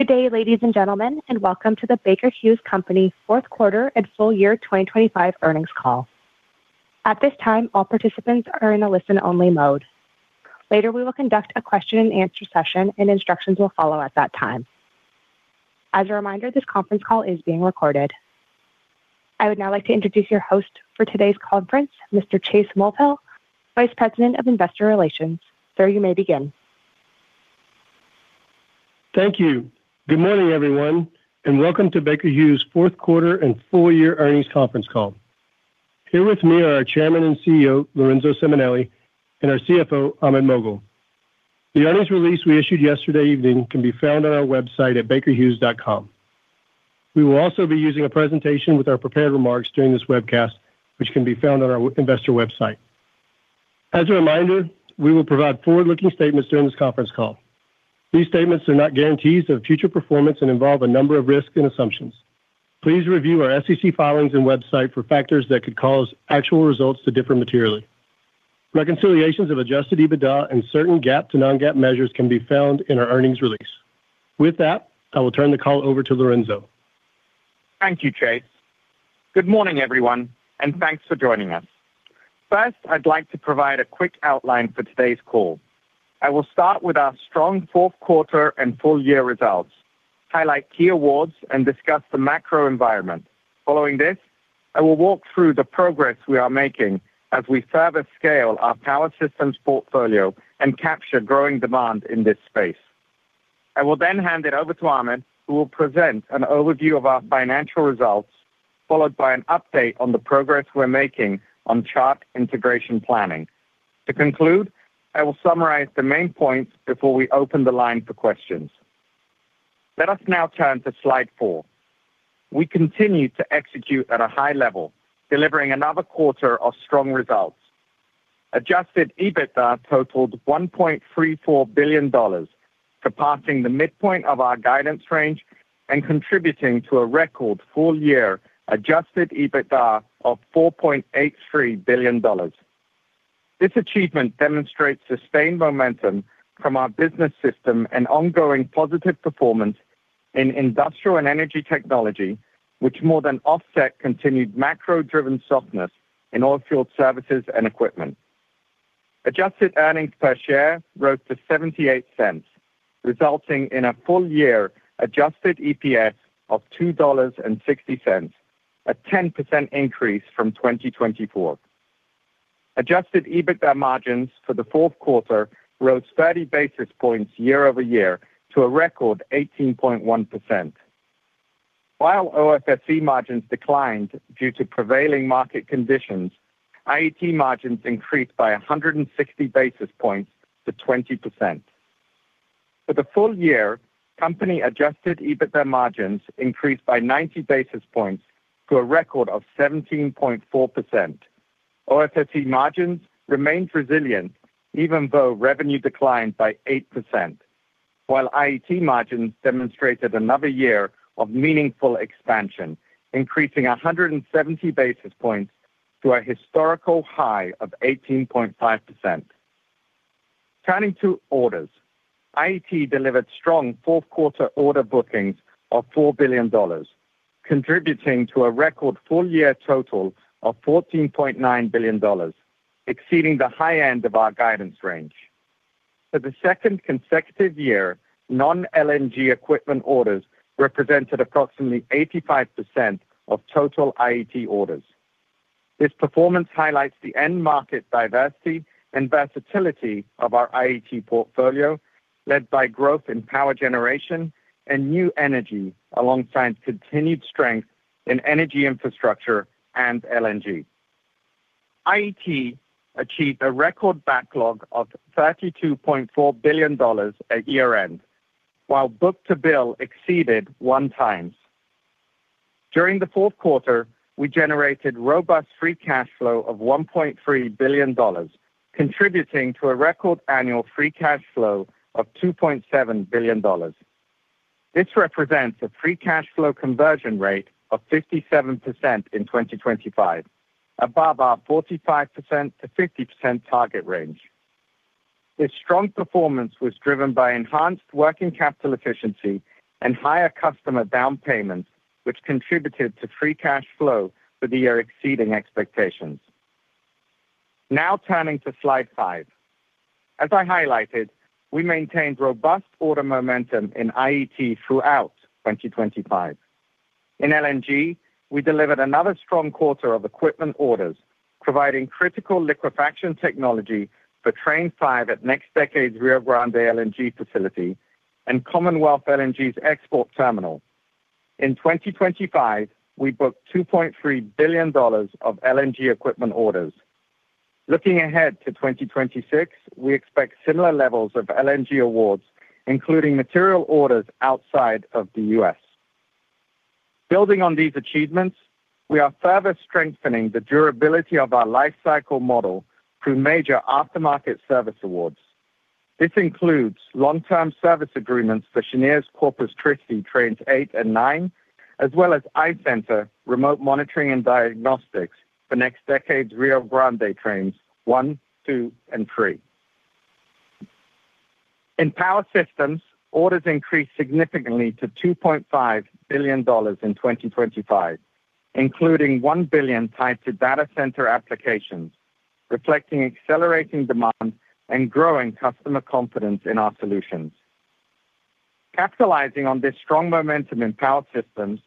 Good day, ladies and gentlemen, and welcome to the Baker Hughes Company fourth quarter and full year 2025 earnings call. At this time, all participants are in a listen-only mode. Later, we will conduct a question and answer session, and instructions will follow at that time. As a reminder, this conference call is being recorded. I would now like to introduce your host for today's conference, Mr. Chase Mulvehill, Vice President of Investor Relations. Sir, you may begin. Thank you. Good morning, everyone, and welcome to Baker Hughes' fourth quarter and full year earnings conference call. Here with me are our Chairman and CEO, Lorenzo Simonelli, and our CFO, Ahmed Moghal. The earnings release we issued yesterday evening can be found on our website at bakerhughes.com. We will also be using a presentation with our prepared remarks during this webcast, which can be found on our investor website. As a reminder, we will provide forward-looking statements during this conference call. These statements are not guarantees of future performance and involve a number of risks and assumptions. Please review our SEC filings and website for factors that could cause actual results to differ materially. Reconciliations of adjusted EBITDA and certain GAAP to non-GAAP measures can be found in our earnings release. With that, I will turn the call over to Lorenzo. Thank you, Chase. Good morning, everyone, and thanks for joining us. First, I'd like to provide a quick outline for today's call. I will start with our strong fourth quarter and full year results, highlight key awards, and discuss the macro environment. Following this, I will walk through the progress we are making as we further scale our power systems portfolio and capture growing demand in this space. I will then hand it over to Ahmed, who will present an overview of our financial results, followed by an update on the progress we're making on Chart integration planning. To conclude, I will summarize the main points before we open the line for questions. Let us now turn to slide four. We continue to execute at a high level, delivering another quarter of strong results. Adjusted EBITDA totaled $1.34 billion, surpassing the midpoint of our guidance range and contributing to a record full-year adjusted EBITDA of $4.83 billion. This achievement demonstrates sustained momentum from our business system and ongoing positive performance in Industrial and Energy Technology, which more than offset continued macro-driven softness in Oilfield Services and Equipment. Adjusted earnings per share rose to $0.78, resulting in a full-year adjusted EPS of $2.60, a 10% increase from 2024. Adjusted EBITDA margins for the fourth quarter rose 30 basis points year-over-year to a record 18.1%. While OFSE margins declined due to prevailing market conditions, IET margins increased by 160 basis points to 20%. For the full year, company-adjusted EBITDA margins increased by 90 basis points to a record of 17.4%. OFSE margins remained resilient, even though revenue declined by 8%, while IET margins demonstrated another year of meaningful expansion, increasing 170 basis points to a historical high of 18.5%. Turning to orders, IET delivered strong fourth quarter order bookings of $4 billion, contributing to a record full-year total of $14.9 billion, exceeding the high end of our guidance range. For the second consecutive year, non-LNG equipment orders represented approximately 85% of total IET orders. This performance highlights the end-market diversity and versatility of our IET portfolio, led by growth in power generation and New Energy, alongside continued strength in energy infrastructure and LNG. IET achieved a record backlog of $32.4 billion at year-end, while book-to-bill exceeded 1x. During the fourth quarter, we generated robust free cash flow of $1.3 billion, contributing to a record annual free cash flow of $2.7 billion. This represents a free cash flow conversion rate of 57% in 2025, above our 45%-50% target range. This strong performance was driven by enhanced working capital efficiency and higher customer down payments, which contributed to free cash flow for the year exceeding expectations. Now turning to slide five. As I highlighted, we maintained robust order momentum in IET throughout 2025. In LNG, we delivered another strong quarter of equipment orders, providing critical liquefaction technology for Train 5 at NextDecade's Rio Grande LNG facility and Commonwealth LNG's export terminal. In 2025, we booked $2.3 billion of LNG equipment orders. Looking ahead to 2026, we expect similar levels of LNG awards, including material orders outside of the US. Building on these achievements, we are further strengthening the durability of our lifecycle model through major aftermarket service awards. This includes long-term service agreements for Cheniere's Corpus Christi Trains 8 and 9, as well as iCenter remote monitoring and diagnostics for NextDecade's Rio Grande Trains 1, 2, and 3. In Power Systems, orders increased significantly to $2.5 billion in 2025, including $1 billion tied to data center applications, reflecting accelerating demand and growing customer confidence in our solutions. Capitalizing on this strong momentum in Power Systems,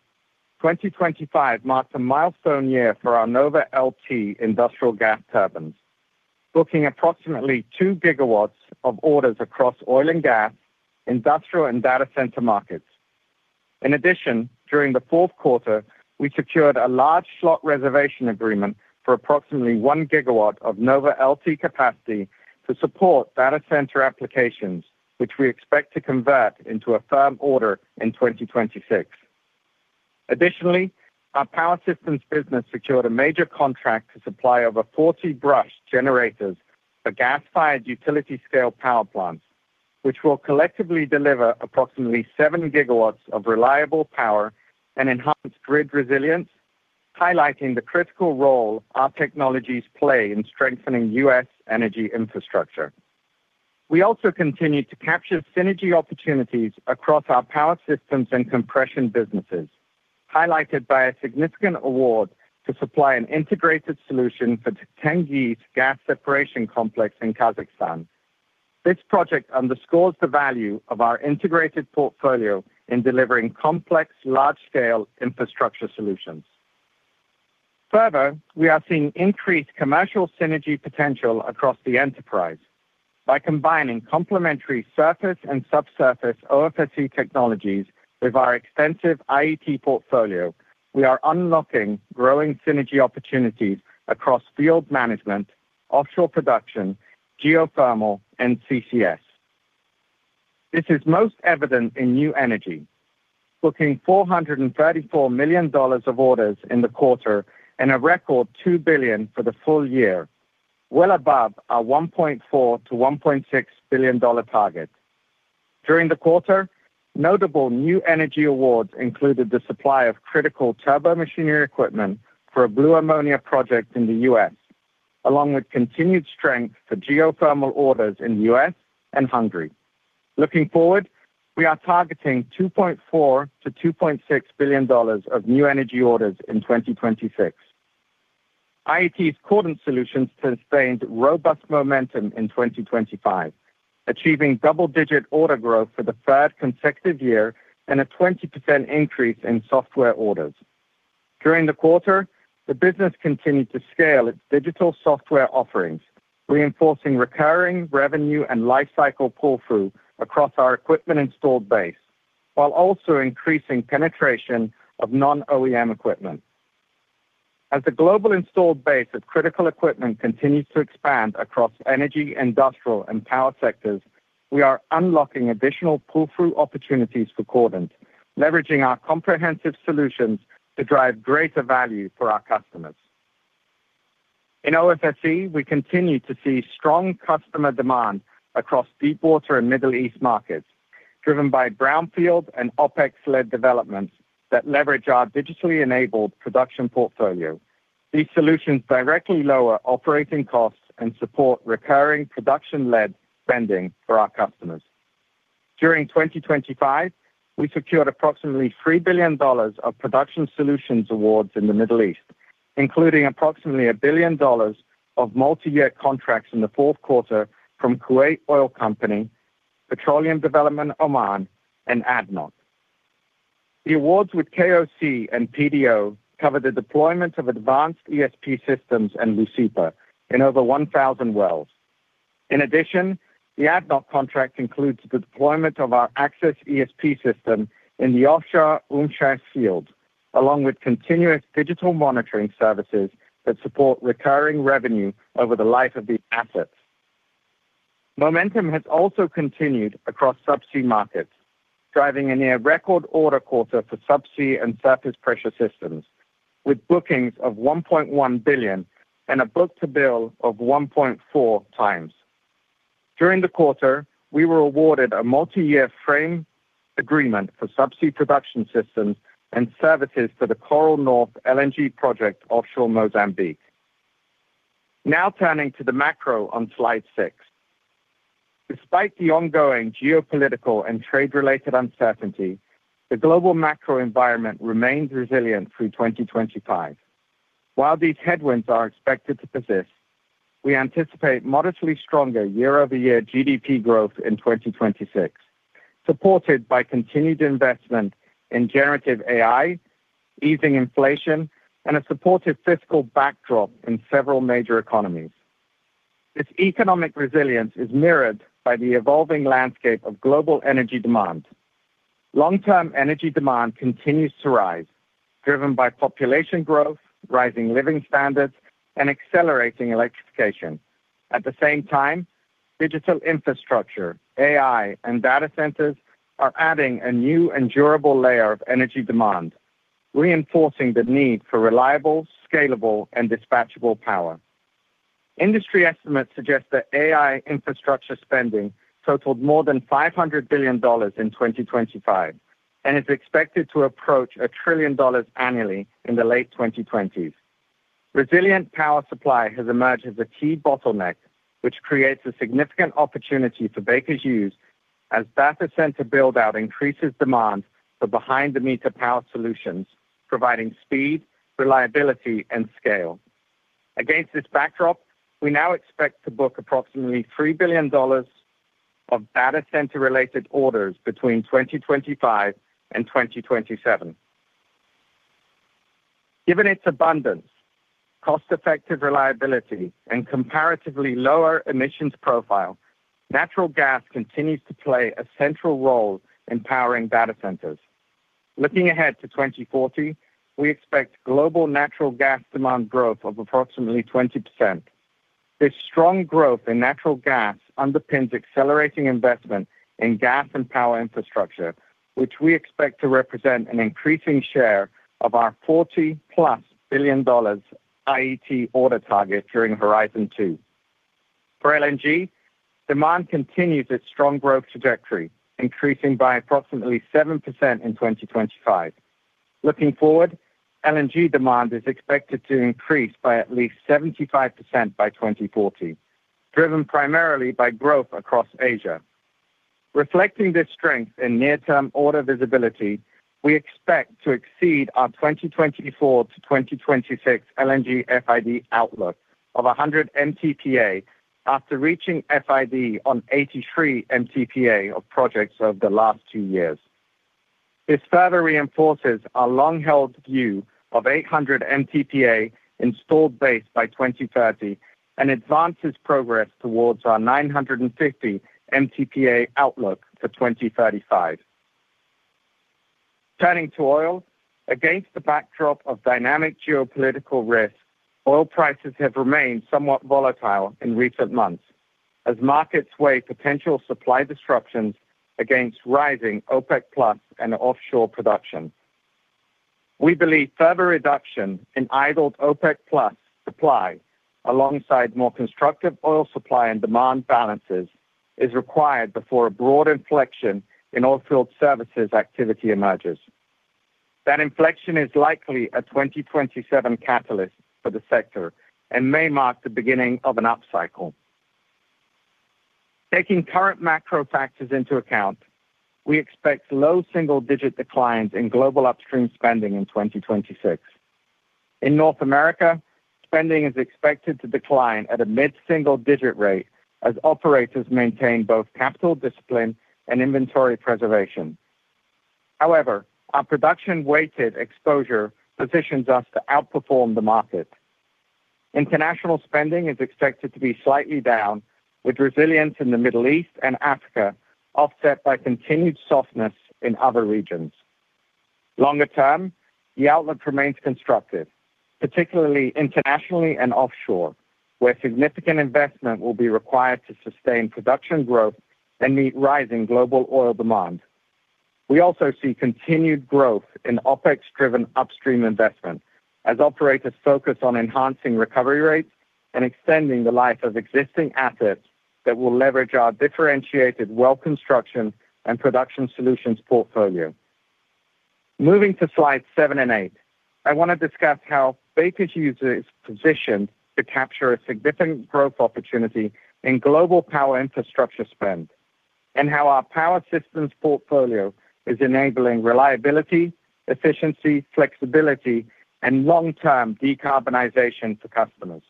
2025 marks a milestone year for our NovaLT industrial gas turbines, booking approximately 2 GW of orders across oil and gas, industrial, and data center markets. In addition, during the fourth quarter, we secured a large slot reservation agreement for approximately 1 gigawatt of NovaLT capacity to support data center applications, which we expect to convert into a firm order in 2026. Additionally, our Power Systems business secured a major contract to supply over 40 Brush generators for gas-fired utility-scale power plants, which will collectively deliver approximately 7 gigawatts of reliable power and enhanced grid resilience, highlighting the critical role our technologies play in strengthening U.S. energy infrastructure. We also continued to capture synergy opportunities across our Power Systems and compression businesses, highlighted by a significant award to supply an integrated solution for Tengiz gas separation complex in Kazakhstan. This project underscores the value of our integrated portfolio in delivering complex, large-scale infrastructure solutions. Further, we are seeing increased commercial synergy potential across the enterprise. By combining complementary surface and subsurface OFSE technologies with our extensive IET portfolio, we are unlocking growing synergy opportunities across field management, offshore production, geothermal, and CCS. This is most evident in New Energy, booking $434 million of orders in the quarter and a record $2 billion for the full year, well above our $1.4 billion-$1.6 billion target. During the quarter, notable New Energy awards included the supply of critical turbomachinery equipment for a blue ammonia project in the U.S., along with continued strength for geothermal orders in the U.S. and Hungary. Looking forward, we are targeting $2.4 billion-$2.6 billion of New Energy orders in 2026. IET's Cordant Solutions sustained robust momentum in 2025, achieving double-digit order growth for the third consecutive year and a 20% increase in software orders. During the quarter, the business continued to scale its digital software offerings, reinforcing recurring revenue and lifecycle pull-through across our equipment installed base, while also increasing penetration of non-OEM equipment. As the global installed base of critical equipment continues to expand across energy, industrial, and power sectors, we are unlocking additional pull-through opportunities for Cordant, leveraging our comprehensive solutions to drive greater value for our customers. In OFSE, we continue to see strong customer demand across deepwater and Middle East markets, driven by brownfield and OpEx-led developments that leverage our digitally enabled production portfolio. These solutions directly lower operating costs and support recurring production-led spending for our customers. During 2025, we secured approximately $3 billion of Production Solutions awards in the Middle East, including approximately $1 billion of multiyear contracts in the fourth quarter from Kuwait Oil Company, Petroleum Development Oman, and ADNOC. The awards with KOC and PDO cover the deployment of advanced ESP systems and Leucipa in over 1,000 wells. In addition, the ADNOC contract includes the deployment of our AccessESP system in the offshore Umm Shaif field, along with continuous digital monitoring services that support recurring revenue over the life of these assets. Momentum has also continued across subsea markets, driving a near-record order quarter for Subsea and Surface Pressure Systems, with bookings of $1.1 billion and a book-to-bill of 1.4 times. During the quarter, we were awarded a multi-year frame agreement for subsea production systems and services for the Coral North LNG project, offshore Mozambique. Now turning to the macro on slide six. Despite the ongoing geopolitical and trade-related uncertainty, the global macro environment remains resilient through 2025. While these headwinds are expected to persist, we anticipate modestly stronger year-over-year GDP growth in 2026, supported by continued investment in generative AI, easing inflation, and a supportive fiscal backdrop in several major economies. This economic resilience is mirrored by the evolving landscape of global energy demand. Long-term energy demand continues to rise, driven by population growth, rising living standards, and accelerating electrification. At the same time, digital infrastructure, AI, and data centers are adding a new and durable layer of energy demand, reinforcing the need for reliable, scalable, and dispatchable power. Industry estimates suggest that AI infrastructure spending totaled more than $500 billion in 2025 and is expected to approach $1 trillion annually in the late 2020s. Resilient power supply has emerged as a key bottleneck, which creates a significant opportunity for Baker Hughes as data center build-out increases demand for behind-the-meter power solutions, providing speed, reliability, and scale. Against this backdrop, we now expect to book approximately $3 billion of data center-related orders between 2025 and 2027. Given its abundance, cost-effective reliability, and comparatively lower emissions profile, natural gas continues to play a central role in powering data centers. Looking ahead to 2040, we expect global natural gas demand growth of approximately 20%. This strong growth in natural gas underpins accelerating investment in gas and power infrastructure, which we expect to represent an increasing share of our $40+ billion IET order target during Horizon 2. For LNG, demand continues its strong growth trajectory, increasing by approximately 7% in 2025. Looking forward, LNG demand is expected to increase by at least 75% by 2040, driven primarily by growth across Asia. Reflecting this strength in near-term order visibility, we expect to exceed our 2024-2026 LNG FID outlook of 100 MTPA after reaching FID on 83 MTPA of projects over the last 2 years. This further reinforces our long-held view of 800 MTPA installed base by 2030 and advances progress towards our 950 MTPA outlook for 2035. Turning to oil. Against the backdrop of dynamic geopolitical risk, oil prices have remained somewhat volatile in recent months as markets weigh potential supply disruptions against rising OPEC+ and offshore production. We believe further reduction in idled OPEC+ supply, alongside more constructive oil supply and demand balances, is required before a broad inflection in oilfield services activity emerges. That inflection is likely a 2027 catalyst for the sector and may mark the beginning of an upcycle. Taking current macro factors into account, we expect low single-digit declines in global upstream spending in 2026. In North America, spending is expected to decline at a mid-single-digit rate as operators maintain both capital discipline and inventory preservation. However, our production-weighted exposure positions us to outperform the market. International spending is expected to be slightly down, with resilience in the Middle East and Africa offset by continued softness in other regions. Longer term, the outlook remains constructive, particularly internationally and offshore, where significant investment will be required to sustain production growth and meet rising global oil demand. We also see continued growth in OpEx-driven upstream investment as operators focus on enhancing recovery rates and extending the life of existing assets that will leverage our differentiated well construction and Production Solutions portfolio. Moving to slides seven and eight, I want to discuss how Baker Hughes is positioned to capture a significant growth opportunity in global power infrastructure spend and how our power systems portfolio is enabling reliability, efficiency, flexibility, and long-term decarbonization for customers.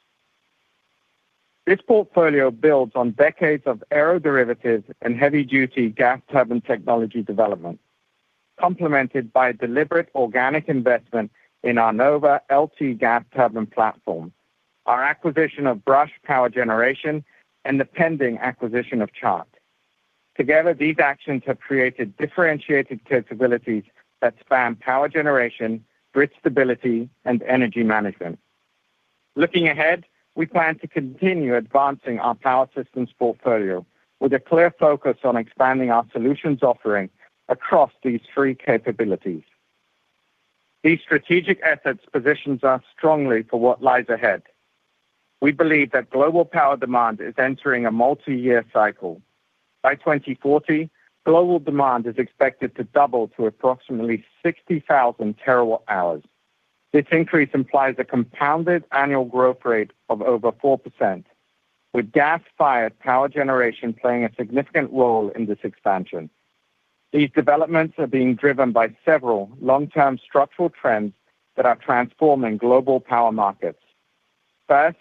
This portfolio builds on decades of aeroderivatives and heavy-duty gas turbine technology development, complemented by deliberate organic investment in our NovaLT gas turbine platform, our acquisition of Brush Power Generation, and the pending acquisition of Chart. Together, these actions have created differentiated capabilities that span power generation, grid stability, and energy management. Looking ahead, we plan to continue advancing our power systems portfolio with a clear focus on expanding our solutions offering across these three capabilities. These strategic assets positions us strongly for what lies ahead. We believe that global power demand is entering a multiyear cycle. By 2040, global demand is expected to double to approximately 60,000 terawatt-hours. This increase implies a compounded annual growth rate of over 4%, with gas-fired power generation playing a significant role in this expansion. These developments are being driven by several long-term structural trends that are transforming global power markets. First,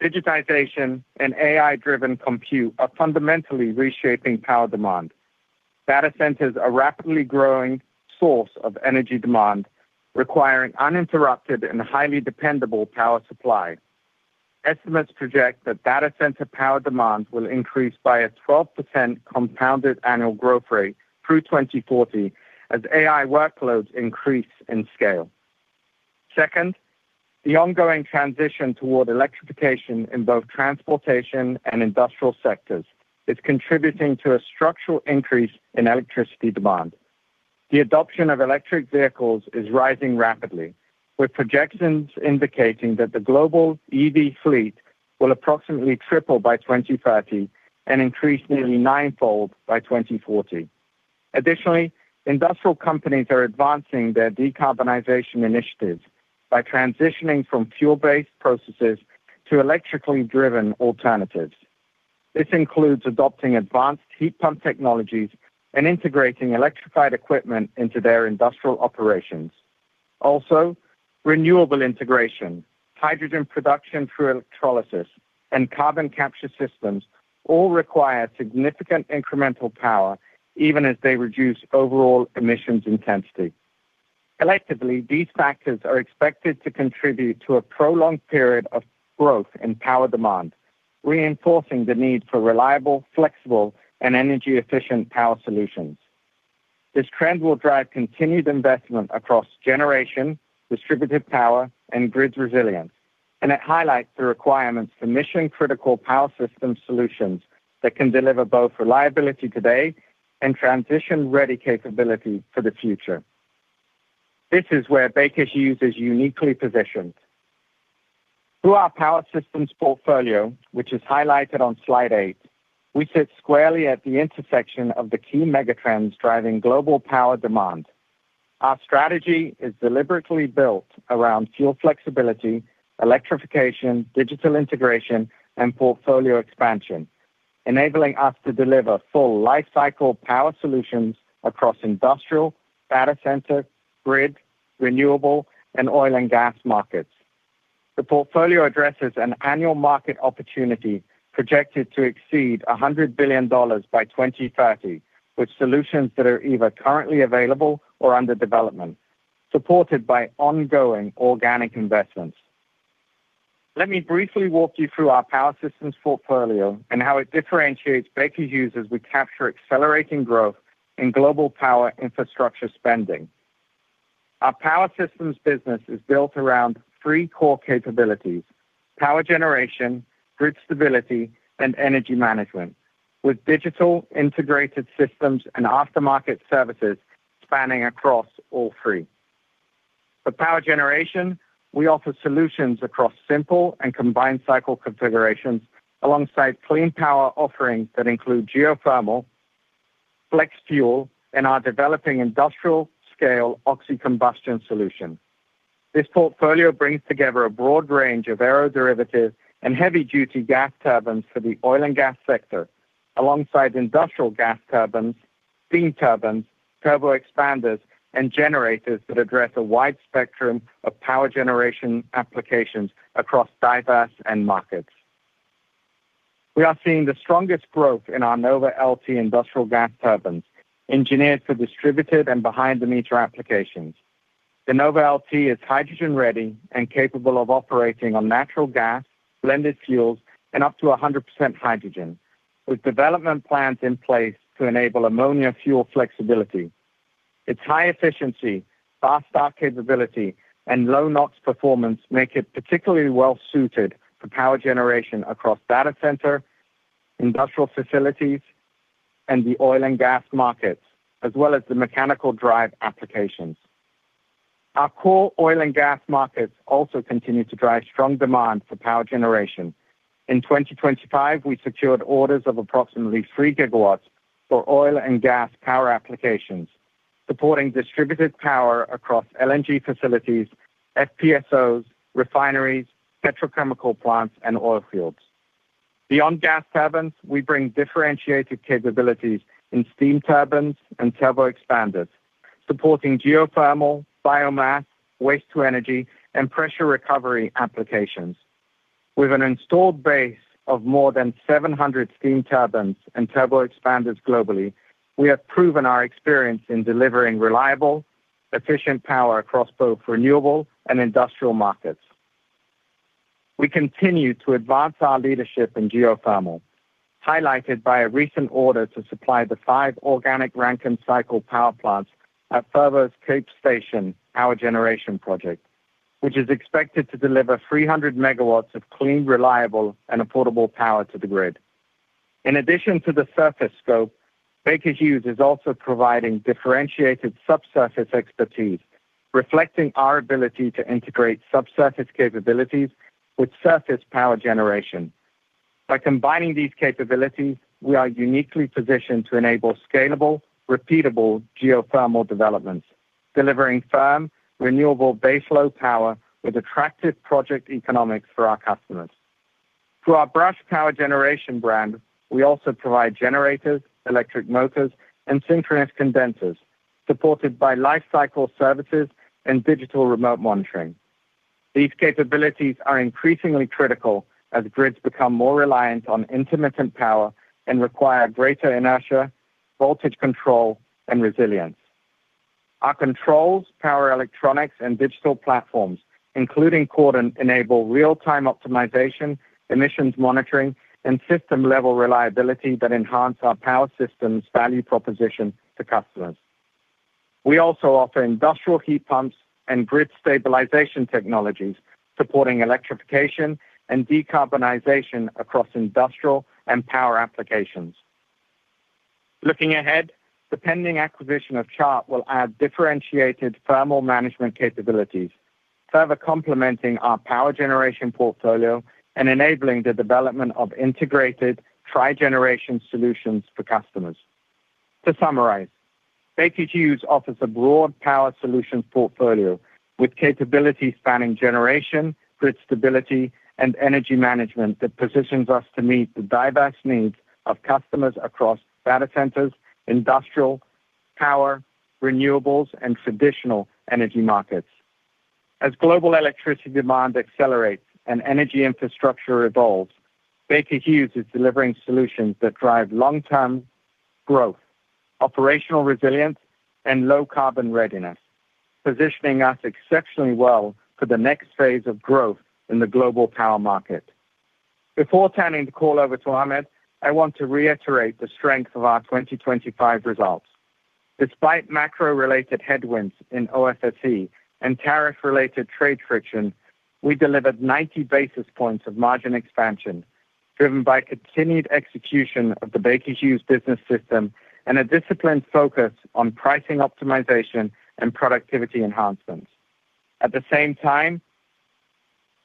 digitization and AI-driven compute are fundamentally reshaping power demand. Data centers are a rapidly growing source of energy demand, requiring uninterrupted and highly dependable power supply. Estimates project that data center power demand will increase by a 12% compounded annual growth rate through 2040 as AI workloads increase in scale. Second, the ongoing transition toward electrification in both transportation and industrial sectors is contributing to a structural increase in electricity demand. The adoption of electric vehicles is rising rapidly, with projections indicating that the global EV fleet will approximately triple by 2030 and increase nearly ninefold by 2040.... Additionally, industrial companies are advancing their decarbonization initiatives by transitioning from fuel-based processes to electrically driven alternatives. This includes adopting advanced heat pump technologies and integrating electrified equipment into their industrial operations. Also, renewable integration, hydrogen production through electrolysis, and carbon capture systems all require significant incremental power, even as they reduce overall emissions intensity. Collectively, these factors are expected to contribute to a prolonged period of growth in power demand, reinforcing the need for reliable, flexible, and energy-efficient power solutions. This trend will drive continued investment across generation, distributed power, and grid resilience, and it highlights the requirements for mission-critical power system solutions that can deliver both reliability today and transition-ready capability for the future. This is where Baker Hughes is uniquely positioned. Through our power systems portfolio, which is highlighted on slide eight, we sit squarely at the intersection of the key megatrends driving global power demand. Our strategy is deliberately built around fuel flexibility, electrification, digital integration, and portfolio expansion, enabling us to deliver full lifecycle power solutions across industrial, data center, grid, renewable, and oil and gas markets. The portfolio addresses an annual market opportunity projected to exceed $100 billion by 2030, with solutions that are either currently available or under development, supported by ongoing organic investments. Let me briefly walk you through our power systems portfolio and how it differentiates Baker Hughes as we capture accelerating growth in global power infrastructure spending. Our power systems business is built around three core capabilities: power generation, grid stability, and energy management, with digital integrated systems and aftermarket services spanning across all three. For power generation, we offer solutions across simple and combined cycle configurations, alongside clean power offerings that include geothermal, flex-fuel, and our developing industrial-scale oxy-combustion solution. This portfolio brings together a broad range of aero-derivatives and heavy-duty gas turbines for the oil and gas sector, alongside industrial gas turbines, steam turbines, turboexpanders, and generators that address a wide spectrum of power generation applications across diverse end markets. We are seeing the strongest growth in our NovaLT industrial gas turbines, engineered for distributed and behind-the-meter applications. The NovaLT is hydrogen-ready and capable of operating on natural gas, blended fuels, and up to 100% hydrogen, with development plans in place to enable ammonia fuel flexibility. Its high efficiency, fast start capability, and low NOx performance make it particularly well-suited for power generation across data center, industrial facilities, and the oil and gas markets, as well as the mechanical drive applications. Our core oil and gas markets also continue to drive strong demand for power generation. In 2025, we secured orders of approximately 3 GW for oil and gas power applications, supporting distributed power across LNG facilities, FPSOs, refineries, petrochemical plants, and oil fields. Beyond gas turbines, we bring differentiated capabilities in steam turbines and turbo expanders, supporting geothermal, biomass, waste-to-energy, and pressure recovery applications. With an installed base of more than 700 steam turbines and turbo expanders globally, we have proven our experience in delivering reliable, efficient power across both renewable and industrial markets. We continue to advance our leadership in geothermal, highlighted by a recent order to supply the five organic Rankine cycle power plants at Fervo's Cape Station power generation project, which is expected to deliver 300 MW of clean, reliable, and affordable power to the grid. In addition to the surface scope, Baker Hughes is also providing differentiated subsurface expertise, reflecting our ability to integrate subsurface capabilities with surface power generation. By combining these capabilities, we are uniquely positioned to enable scalable, repeatable geothermal developments, delivering firm, renewable baseload power with attractive project economics for our customers. Through our Brush Power Generation brand, we also provide generators, electric motors, and synchronous condensers, supported by lifecycle services and digital remote monitoring. These capabilities are increasingly critical as grids become more reliant on intermittent power and require greater inertia, voltage control, and resilience. Our controls, power electronics, and digital platforms, including Cordant, enable real-time optimization, emissions monitoring, and system-level reliability that enhance our power systems' value proposition to customers. We also offer industrial heat pumps and grid stabilization technologies, supporting electrification and decarbonization across industrial and power applications. Looking ahead, the pending acquisition of Chart will add differentiated thermal management capabilities, further complementing our power generation portfolio and enabling the development of integrated trigeneration solutions for customers. To summarize, Baker Hughes offers a broad power solution portfolio with capabilities spanning generation, grid stability, and energy management that positions us to meet the diverse needs of customers across data centers, industrial, power, renewables, and traditional energy markets. As global electricity demand accelerates and energy infrastructure evolves, Baker Hughes is delivering solutions that drive long-term growth, operational resilience, and low carbon readiness, positioning us exceptionally well for the next phase of growth in the global power market. Before turning the call over to Ahmed, I want to reiterate the strength of our 2025 results. Despite macro-related headwinds in OFSE and tariff-related trade friction, we delivered 90 basis points of margin expansion, driven by continued execution of the Baker Hughes Business System and a disciplined focus on pricing optimization and productivity enhancements. At the same time,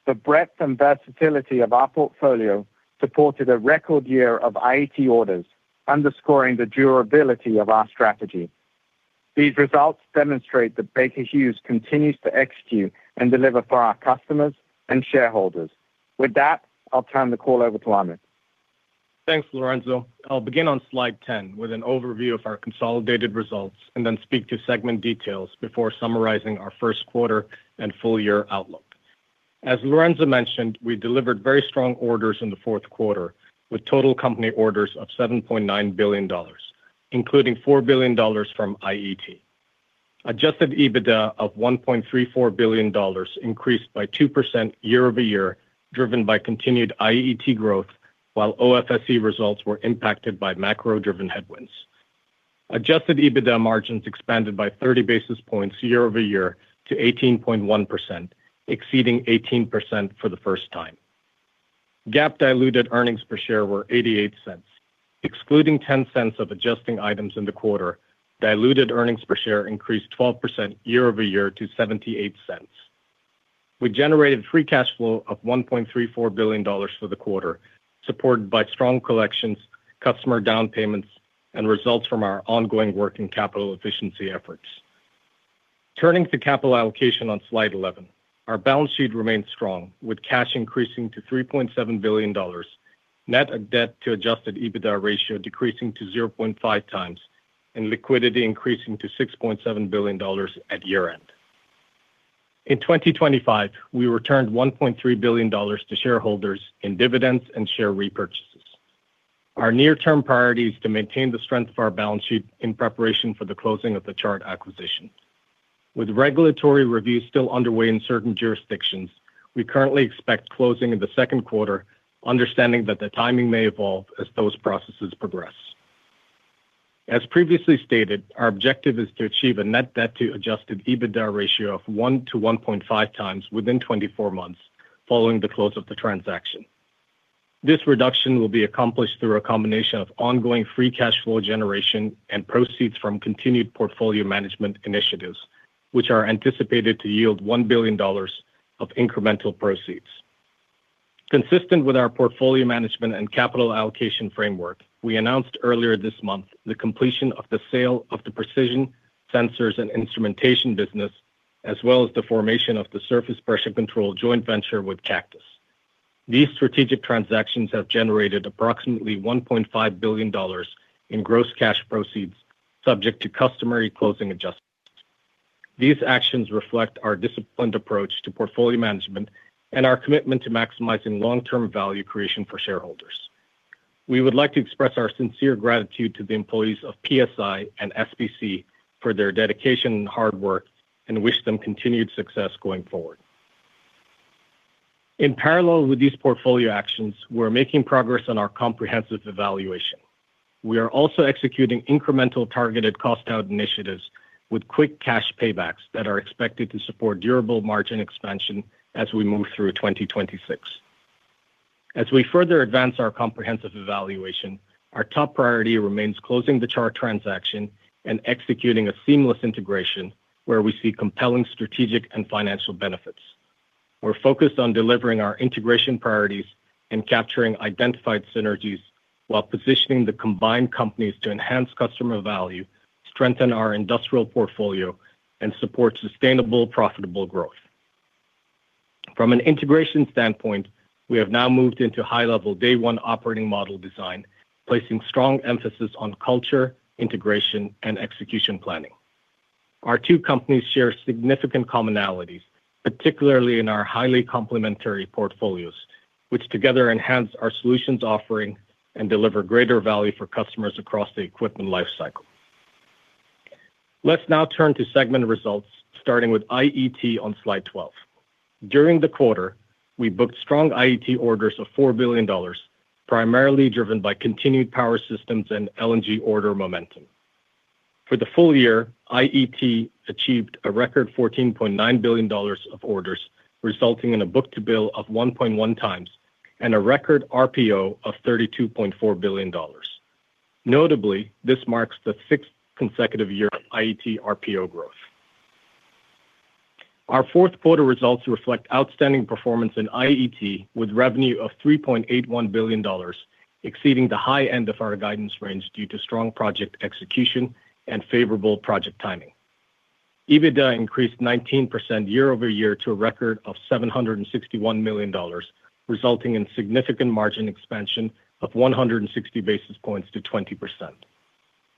the breadth and versatility of our portfolio supported a record year of IET orders, underscoring the durability of our strategy. These results demonstrate that Baker Hughes continues to execute and deliver for our customers and shareholders. With that, I'll turn the call over to Ahmed. Thanks, Lorenzo. I'll begin on slide 10 with an overview of our consolidated results, and then speak to segment details before summarizing our first quarter and full year outlook. As Lorenzo mentioned, we delivered very strong orders in the fourth quarter, with total company orders of $7.9 billion, including $4 billion from IET. Adjusted EBITDA of $1.34 billion increased by 2% year-over-year, driven by continued IET growth, while OFSE results were impacted by macro-driven headwinds. Adjusted EBITDA margins expanded by 30 basis points year-over-year to 18.1%, exceeding 18% for the first time. GAAP diluted earnings per share were $0.88. Excluding $0.10 of adjusting items in the quarter, diluted earnings per share increased 12% year-over-year to $0.78. We generated free cash flow of $1.34 billion for the quarter, supported by strong collections, customer down payments, and results from our ongoing working capital efficiency efforts. Turning to capital allocation on slide 11. Our balance sheet remains strong, with cash increasing to $3.7 billion, net debt to Adjusted EBITDA ratio decreasing to 0.5 times, and liquidity increasing to $6.7 billion at year-end. In 2025, we returned $1.3 billion to shareholders in dividends and share repurchases. Our near-term priority is to maintain the strength of our balance sheet in preparation for the closing of the Chart acquisition. With regulatory reviews still underway in certain jurisdictions, we currently expect closing in the second quarter, understanding that the timing may evolve as those processes progress. As previously stated, our objective is to achieve a net debt to Adjusted EBITDA ratio of 1-1.5 times within 24 months following the close of the transaction. This reduction will be accomplished through a combination of ongoing free cash flow generation and proceeds from continued portfolio management initiatives, which are anticipated to yield $1 billion of incremental proceeds. Consistent with our portfolio management and capital allocation framework, we announced earlier this month the completion of the sale of the Precision Sensors and Instrumentation business, as well as the formation of the Surface Pressure Control joint venture with Cactus. These strategic transactions have generated approximately $1.5 billion in gross cash proceeds, subject to customary closing adjustments. These actions reflect our disciplined approach to portfolio management and our commitment to maximizing long-term value creation for shareholders. We would like to express our sincere gratitude to the employees of PSI and SPC for their dedication and hard work, and wish them continued success going forward. In parallel with these portfolio actions, we're making progress on our comprehensive evaluation. We are also executing incremental targeted cost-out initiatives with quick cash paybacks that are expected to support durable margin expansion as we move through 2026. As we further advance our comprehensive evaluation, our top priority remains closing the Chart transaction and executing a seamless integration where we see compelling strategic and financial benefits. We're focused on delivering our integration priorities and capturing identified synergies while positioning the combined companies to enhance customer value, strengthen our industrial portfolio, and support sustainable, profitable growth. From an integration standpoint, we have now moved into high-level day one operating model design, placing strong emphasis on culture, integration, and execution planning. Our two companies share significant commonalities, particularly in our highly complementary portfolios, which together enhance our solutions offering and deliver greater value for customers across the equipment lifecycle. Let's now turn to segment results, starting with IET on slide 12. During the quarter, we booked strong IET orders of $4 billion, primarily driven by continued power systems and LNG order momentum. For the full year, IET achieved a record $14.9 billion of orders, resulting in a book-to-bill of 1.1 times and a record RPO of $32.4 billion. Notably, this marks the 6th consecutive year of IET RPO growth. Our fourth quarter results reflect outstanding performance in IET, with revenue of $3.81 billion, exceeding the high end of our guidance range due to strong project execution and favorable project timing. EBITDA increased 19% year-over-year to a record of $761 million, resulting in significant margin expansion of 160 basis points to 20%.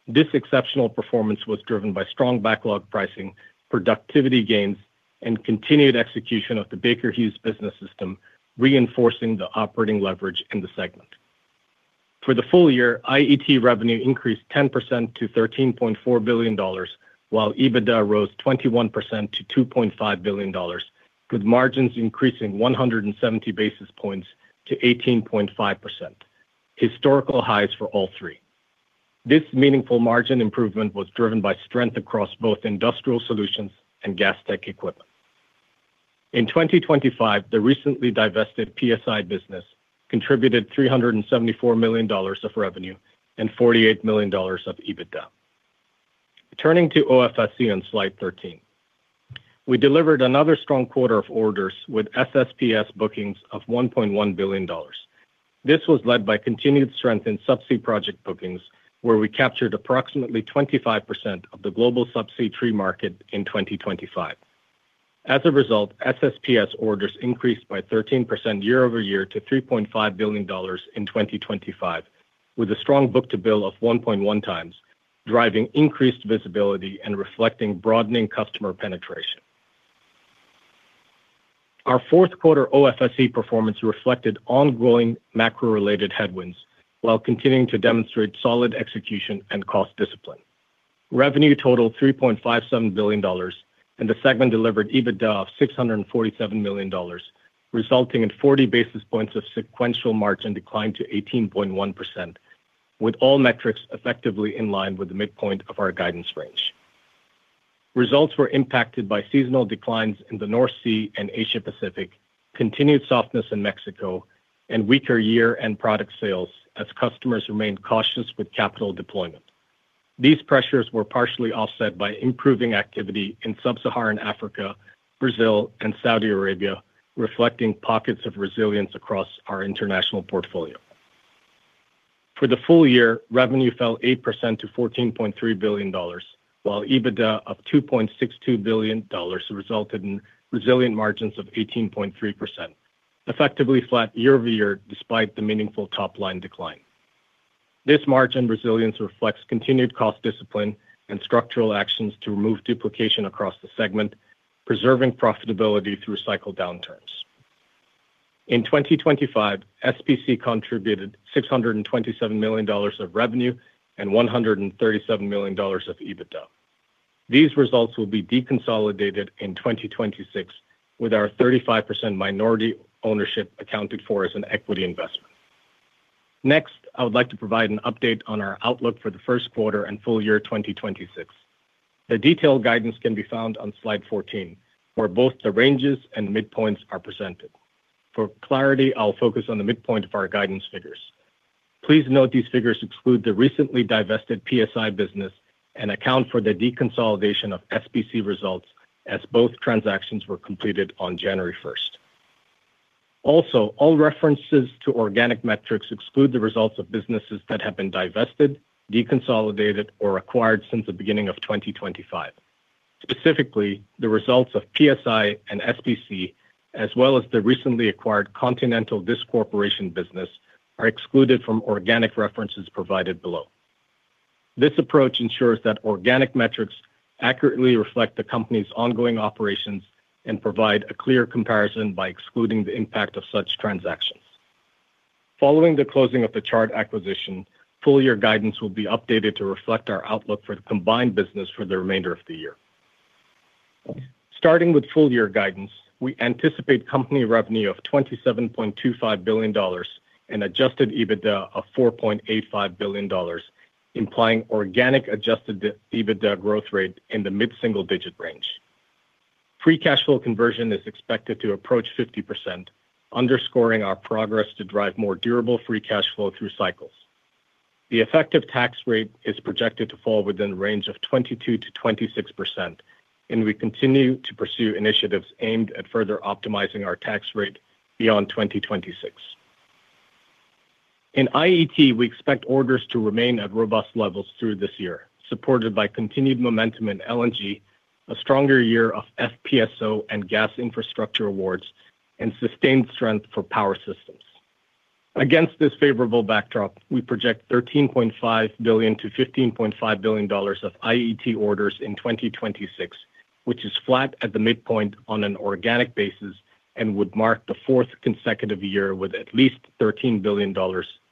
This exceptional performance was driven by strong backlog pricing, productivity gains, and continued execution of the Baker Hughes Business System, reinforcing the operating leverage in the segment. For the full year, IET revenue increased 10% to $13.4 billion, while EBITDA rose 21% to $2.5 billion, with margins increasing 170 basis points to 18.5%. Historical highs for all three. This meaningful margin improvement was driven by strength across both Industrial Solutions and Gas Tech Equipment. In 2025, the recently divested PSI business contributed $374 million of revenue and $48 million of EBITDA. Turning to OFSE on slide 13. We delivered another strong quarter of orders with SSPS bookings of $1.1 billion. This was led by continued strength in subsea project bookings, where we captured approximately 25% of the global subsea tree market in 2025. As a result, SSPS orders increased by 13% year over year to $3.5 billion in 2025, with a strong book-to-bill of 1.1 times, driving increased visibility and reflecting broadening customer penetration. Our fourth quarter OFSE performance reflected ongoing macro-related headwinds while continuing to demonstrate solid execution and cost discipline. Revenue totaled $3.57 billion, and the segment delivered EBITDA of $647 million, resulting in 40 basis points of sequential margin decline to 18.1%, with all metrics effectively in line with the midpoint of our guidance range. Results were impacted by seasonal declines in the North Sea and Asia Pacific, continued softness in Mexico, and weaker year-end product sales as customers remained cautious with capital deployment. These pressures were partially offset by improving activity in Sub-Saharan Africa, Brazil, and Saudi Arabia, reflecting pockets of resilience across our international portfolio. For the full year, revenue fell 8% to $14.3 billion, while EBITDA of $2.62 billion resulted in resilient margins of 18.3%, effectively flat year-over-year, despite the meaningful top-line decline. This margin resilience reflects continued cost discipline and structural actions to remove duplication across the segment, preserving profitability through cycle downturns. In 2025, SPC contributed $627 million of revenue and $137 million of EBITDA. These results will be deconsolidated in 2026, with our 35% minority ownership accounted for as an equity investment. Next, I would like to provide an update on our outlook for the first quarter and full year 2026. The detailed guidance can be found on slide 14, where both the ranges and midpoints are presented. For clarity, I'll focus on the midpoint of our guidance figures. Please note these figures exclude the recently divested PSI business and account for the deconsolidation of SPC results, as both transactions were completed on January 1. Also, all references to organic metrics exclude the results of businesses that have been divested, deconsolidated, or acquired since the beginning of 2025. Specifically, the results of PSI and SPC, as well as the recently acquired Continental Disc Corporation business, are excluded from organic references provided below. This approach ensures that organic metrics accurately reflect the company's ongoing operations and provide a clear comparison by excluding the impact of such transactions. Following the closing of the Chart acquisition, full-year guidance will be updated to reflect our outlook for the combined business for the remainder of the year. Starting with full-year guidance, we anticipate company revenue of $27.25 billion, and adjusted EBITDA of $4.85 billion, implying organic adjusted EBITDA growth rate in the mid-single-digit range. Free cash flow conversion is expected to approach 50%, underscoring our progress to drive more durable free cash flow through cycles. The effective tax rate is projected to fall within the range of 22%-26%, and we continue to pursue initiatives aimed at further optimizing our tax rate beyond 2026. In IET, we expect orders to remain at robust levels through this year, supported by continued momentum in LNG, a stronger year of FPSO and gas infrastructure awards, and sustained strength for power systems. Against this favorable backdrop, we project $13.5 billion-$15.5 billion of IET orders in 2026, which is flat at the midpoint on an organic basis and would mark the fourth consecutive year with at least $13 billion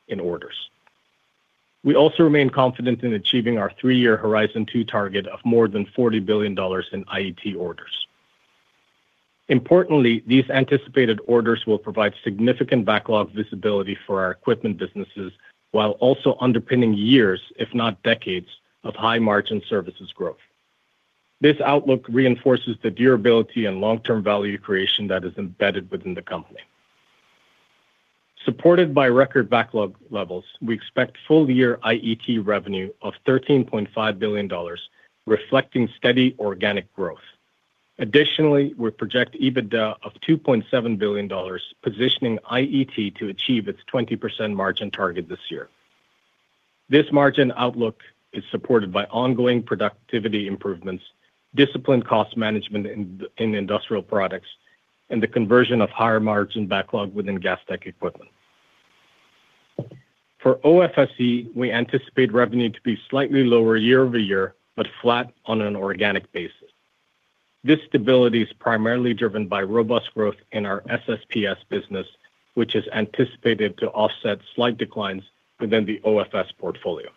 in orders. We also remain confident in achieving our three-year Horizon 2 target of more than $40 billion in IET orders. Importantly, these anticipated orders will provide significant backlog visibility for our equipment businesses, while also underpinning years, if not decades, of high-margin services growth. This outlook reinforces the durability and long-term value creation that is embedded within the company. Supported by record backlog levels, we expect full year IET revenue of $13.5 billion, reflecting steady organic growth. Additionally, we project EBITDA of $2.7 billion, positioning IET to achieve its 20% margin target this year. This margin outlook is supported by ongoing productivity improvements, disciplined cost management in industrial products, and the conversion of higher margin backlog within Gas Tech Equipment. For OFSE, we anticipate revenue to be slightly lower year-over-year, but flat on an organic basis. This stability is primarily driven by robust growth in our SSPS business, which is anticipated to offset slight declines within the OFS portfolio.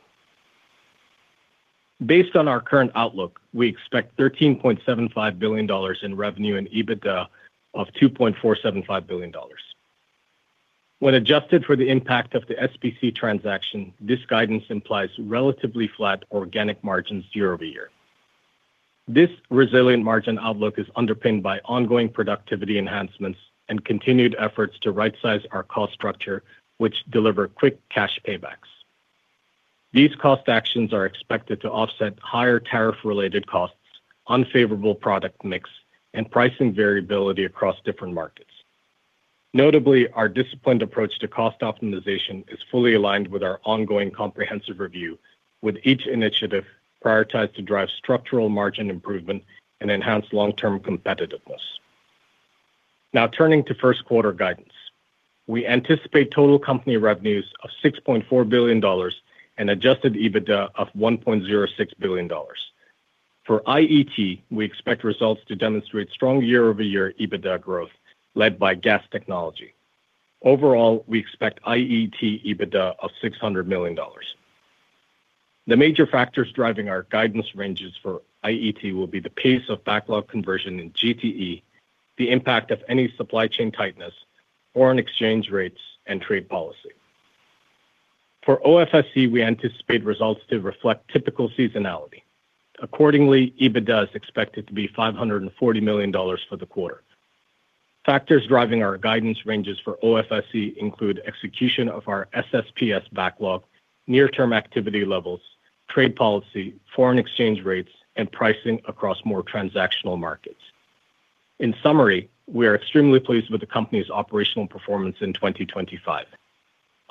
Based on our current outlook, we expect $13.75 billion in revenue and EBITDA of $2.475 billion. When adjusted for the impact of the SPC transaction, this guidance implies relatively flat organic margins year-over-year. This resilient margin outlook is underpinned by ongoing productivity enhancements and continued efforts to rightsize our cost structure, which deliver quick cash paybacks. These cost actions are expected to offset higher tariff-related costs, unfavorable product mix, and pricing variability across different markets. Notably, our disciplined approach to cost optimization is fully aligned with our ongoing comprehensive review, with each initiative prioritized to drive structural margin improvement and enhance long-term competitiveness. Now, turning to first quarter guidance. We anticipate total company revenues of $6.4 billion and adjusted EBITDA of $1.06 billion. For IET, we expect results to demonstrate strong year-over-year EBITDA growth, led by Gas Technology. Overall, we expect IET EBITDA of $600 million. The major factors driving our guidance ranges for IET will be the pace of backlog conversion in GTE, the impact of any supply chain tightness, foreign exchange rates, and trade policy. For OFSE, we anticipate results to reflect typical seasonality. Accordingly, EBITDA is expected to be $540 million for the quarter. Factors driving our guidance ranges for OFSE include execution of our SSPS backlog, near-term activity levels, trade policy, foreign exchange rates, and pricing across more transactional markets. In summary, we are extremely pleased with the company's operational performance in 2025.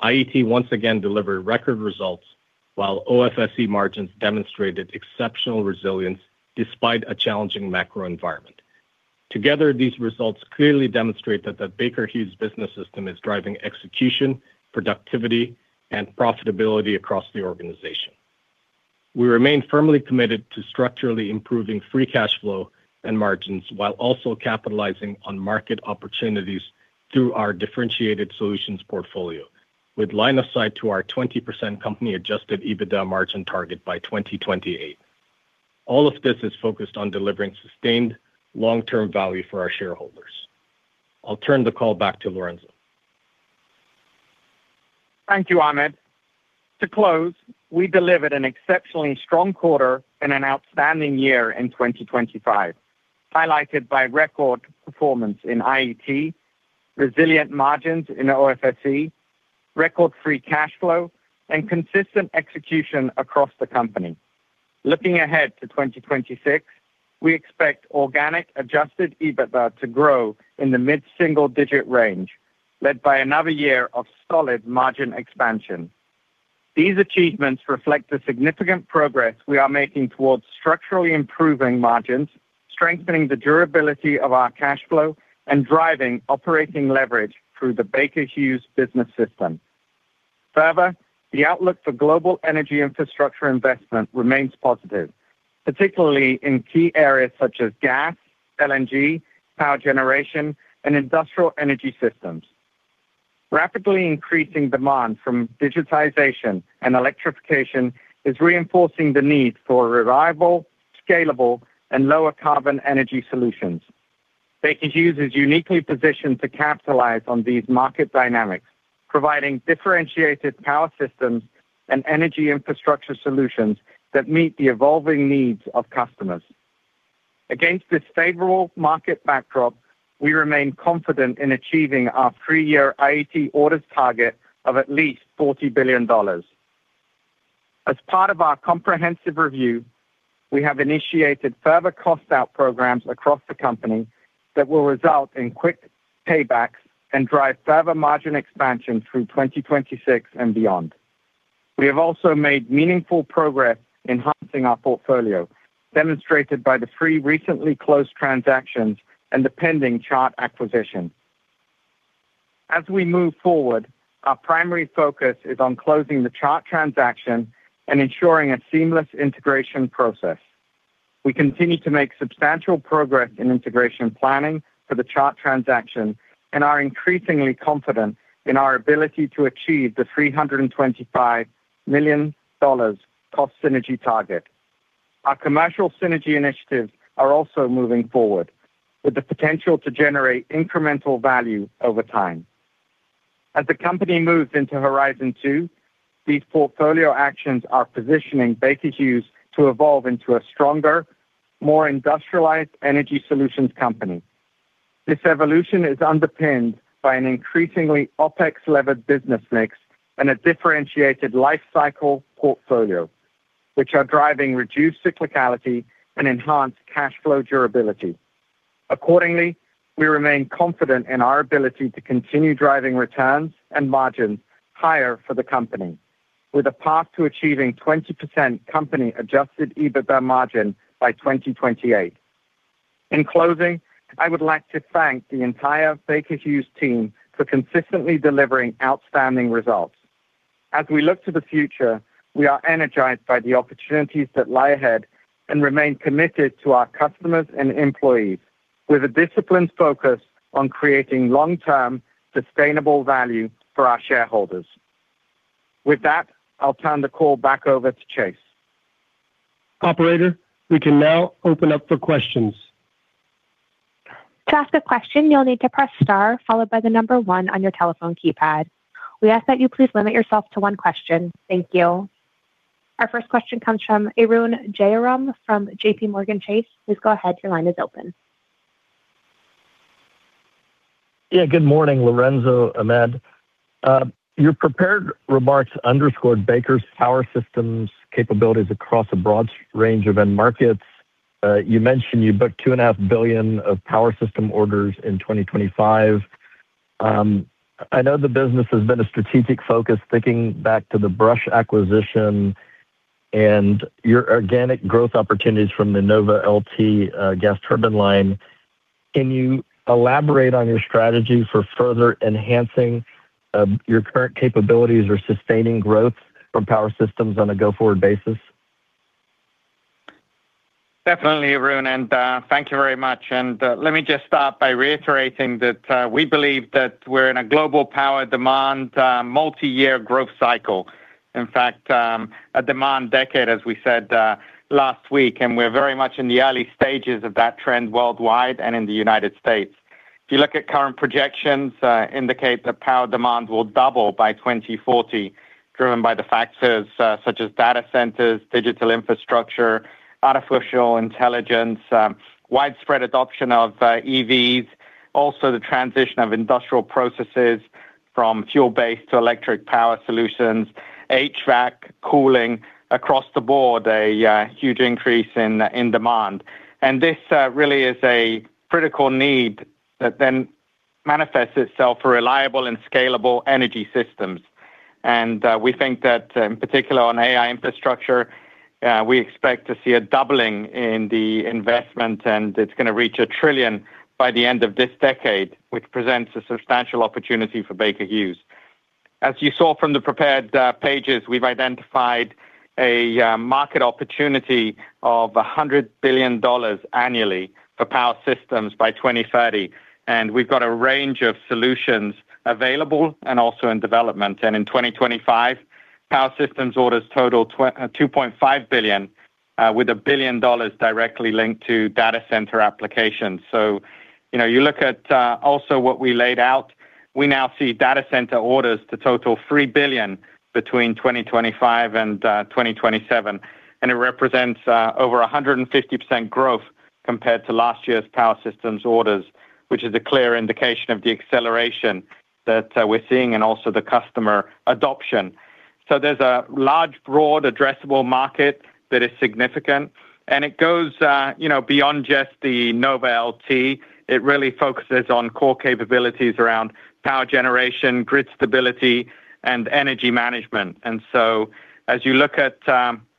IET once again delivered record results, while OFSE margins demonstrated exceptional resilience despite a challenging macro environment. Together, these results clearly demonstrate that the Baker Hughes Business System is driving execution, productivity, and profitability across the organization. We remain firmly committed to structurally improving free cash flow and margins, while also capitalizing on market opportunities through our differentiated solutions portfolio, with line of sight to our 20% company-adjusted EBITDA margin target by 2028. All of this is focused on delivering sustained long-term value for our shareholders. I'll turn the call back to Lorenzo. Thank you, Ahmed. To close, we delivered an exceptionally strong quarter and an outstanding year in 2025, highlighted by record performance in IET, resilient margins in OFSE, record free cash flow, and consistent execution across the company. Looking ahead to 2026, we expect organic adjusted EBITDA to grow in the mid-single-digit range, led by another year of solid margin expansion. These achievements reflect the significant progress we are making towards structurally improving margins, strengthening the durability of our cash flow, and driving operating leverage through the Baker Hughes Business System. Further, the outlook for global energy infrastructure investment remains positive, particularly in key areas such as gas, LNG, power generation, and industrial energy systems. Rapidly increasing demand from digitization and electrification is reinforcing the need for reliable, scalable, and lower carbon energy solutions. Baker Hughes is uniquely positioned to capitalize on these market dynamics, providing differentiated power systems and energy infrastructure solutions that meet the evolving needs of customers. Against this favorable market backdrop, we remain confident in achieving our three-year IET orders target of at least $40 billion. As part of our comprehensive review, we have initiated further cost out programs across the company that will result in quick paybacks and drive further margin expansion through 2026 and beyond. We have also made meaningful progress enhancing our portfolio, demonstrated by the three recently closed transactions and the pending Chart acquisition. As we move forward, our primary focus is on closing the Chart transaction and ensuring a seamless integration process. We continue to make substantial progress in integration planning for the Chart transaction and are increasingly confident in our ability to achieve the $325 million cost synergy target. Our commercial synergy initiatives are also moving forward, with the potential to generate incremental value over time. As the company moves into Horizon 2. These portfolio actions are positioning Baker Hughes to evolve into a stronger, more industrialized energy solutions company. This evolution is underpinned by an increasingly OpEx-levered business mix and a differentiated lifecycle portfolio, which are driving reduced cyclicality and enhanced cash flow durability. Accordingly, we remain confident in our ability to continue driving returns and margins higher for the company, with a path to achieving 20% company-adjusted EBITDA margin by 2028. In closing, I would like to thank the entire Baker Hughes team for consistently delivering outstanding results. As we look to the future, we are energized by the opportunities that lie ahead and remain committed to our customers and employees, with a disciplined focus on creating long-term, sustainable value for our shareholders. With that, I'll turn the call back over to Chase. Operator, we can now open up for questions. To ask a question, you'll need to press star, followed by the number one on your telephone keypad. We ask that you please limit yourself to one question. Thank you. Our first question comes from Arun Jayaram from JPMorgan Chase. Please go ahead. Your line is open. Yeah, good morning, Lorenzo, Ahmed. Your prepared remarks underscored Baker's Power Systems capabilities across a broad range of end markets. You mentioned you booked $2.5 billion of power system orders in 2025. I know the business has been a strategic focus, thinking back to the Brush acquisition and your organic growth opportunities from the NovaLT gas turbine line. Can you elaborate on your strategy for further enhancing your current capabilities or sustaining growth from Power Systems on a go-forward basis? Definitely, Arun, and thank you very much. Let me just start by reiterating that we believe that we're in a global power demand multiyear growth cycle. In fact, a demand decade, as we said last week, and we're very much in the early stages of that trend worldwide and in the United States. If you look at current projections indicate that power demand will double by 2040, driven by the factors such as data centers, digital infrastructure, artificial intelligence, widespread adoption of EVs, also the transition of industrial processes from fuel-based to electric power solutions, HVAC, cooling, across the board, a huge increase in demand. This really is a critical need that then manifests itself for reliable and scalable energy systems. We think that, in particular on AI infrastructure, we expect to see a doubling in the investment, and it's gonna reach $1 trillion by the end of this decade, which presents a substantial opportunity for Baker Hughes. As you saw from the prepared pages, we've identified a market opportunity of $100 billion annually for Power Systems by 2030, and we've got a range of solutions available and also in development. In 2025, Power Systems orders totaled $2.5 billion, with $1 billion directly linked to data center applications. So, you know, you look at also what we laid out, we now see data center orders to total $3 billion between 2025 and 2027, and it represents over 150% growth compared to last year's Power Systems orders, which is a clear indication of the acceleration that we're seeing and also the customer adoption. So there's a large, broad addressable market that is significant, and it goes, you know, beyond just the NovaLT. It really focuses on core capabilities around power generation, grid stability, and energy management. As you look at,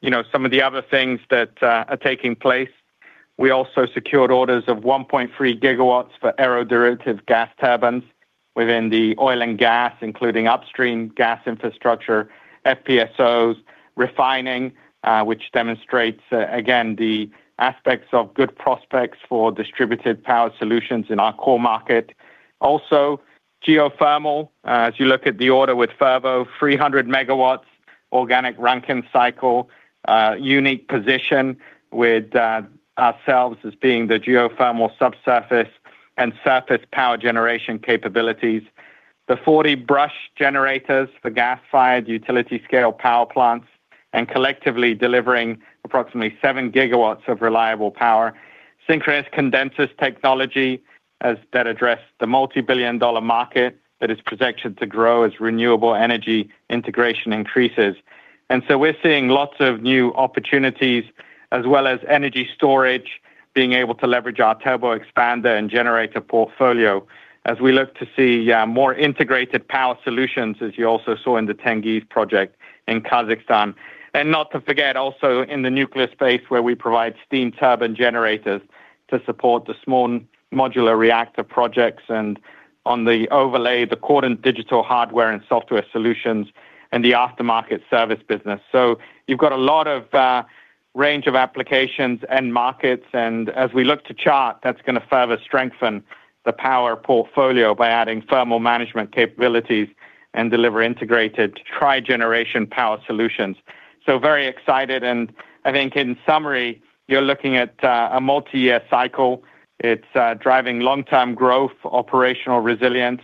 you know, some of the other things that are taking place, we also secured orders of 1.3 GW for aero-derivative gas turbines within the oil and gas, including upstream gas infrastructure, FPSOs, refining, which demonstrates, again, the aspects of good prospects for distributed power solutions in our core market. Also, geothermal, as you look at the order with Fervo, 300 MW, Organic Rankine Cycle, unique position with ourselves as being the geothermal subsurface and surface power generation capabilities. The 40 Brush generators for gas-fired utility-scale power plants, and collectively delivering approximately 7 GW of reliable power. Synchronous condensers technology that addresses the multibillion-dollar market that is projected to grow as renewable energy integration increases. And so we're seeing lots of new opportunities, as well as energy storage, being able to leverage our turboexpander and generator portfolio as we look to see more integrated power solutions, as you also saw in the Tengiz project in Kazakhstan. And not to forget, also in the nuclear space, where we provide steam turbine generators to support the small modular reactor projects, and on the overlay, the Cordant digital hardware and software solutions and the aftermarket service business. So you've got a lot of range of applications and markets, and as we look to Chart, that's gonna further strengthen the power portfolio by adding thermal management capabilities and deliver integrated trigeneration power solutions. So very excited, and I think in summary, you're looking at a multi-year cycle. It's driving long-term growth, operational resilience,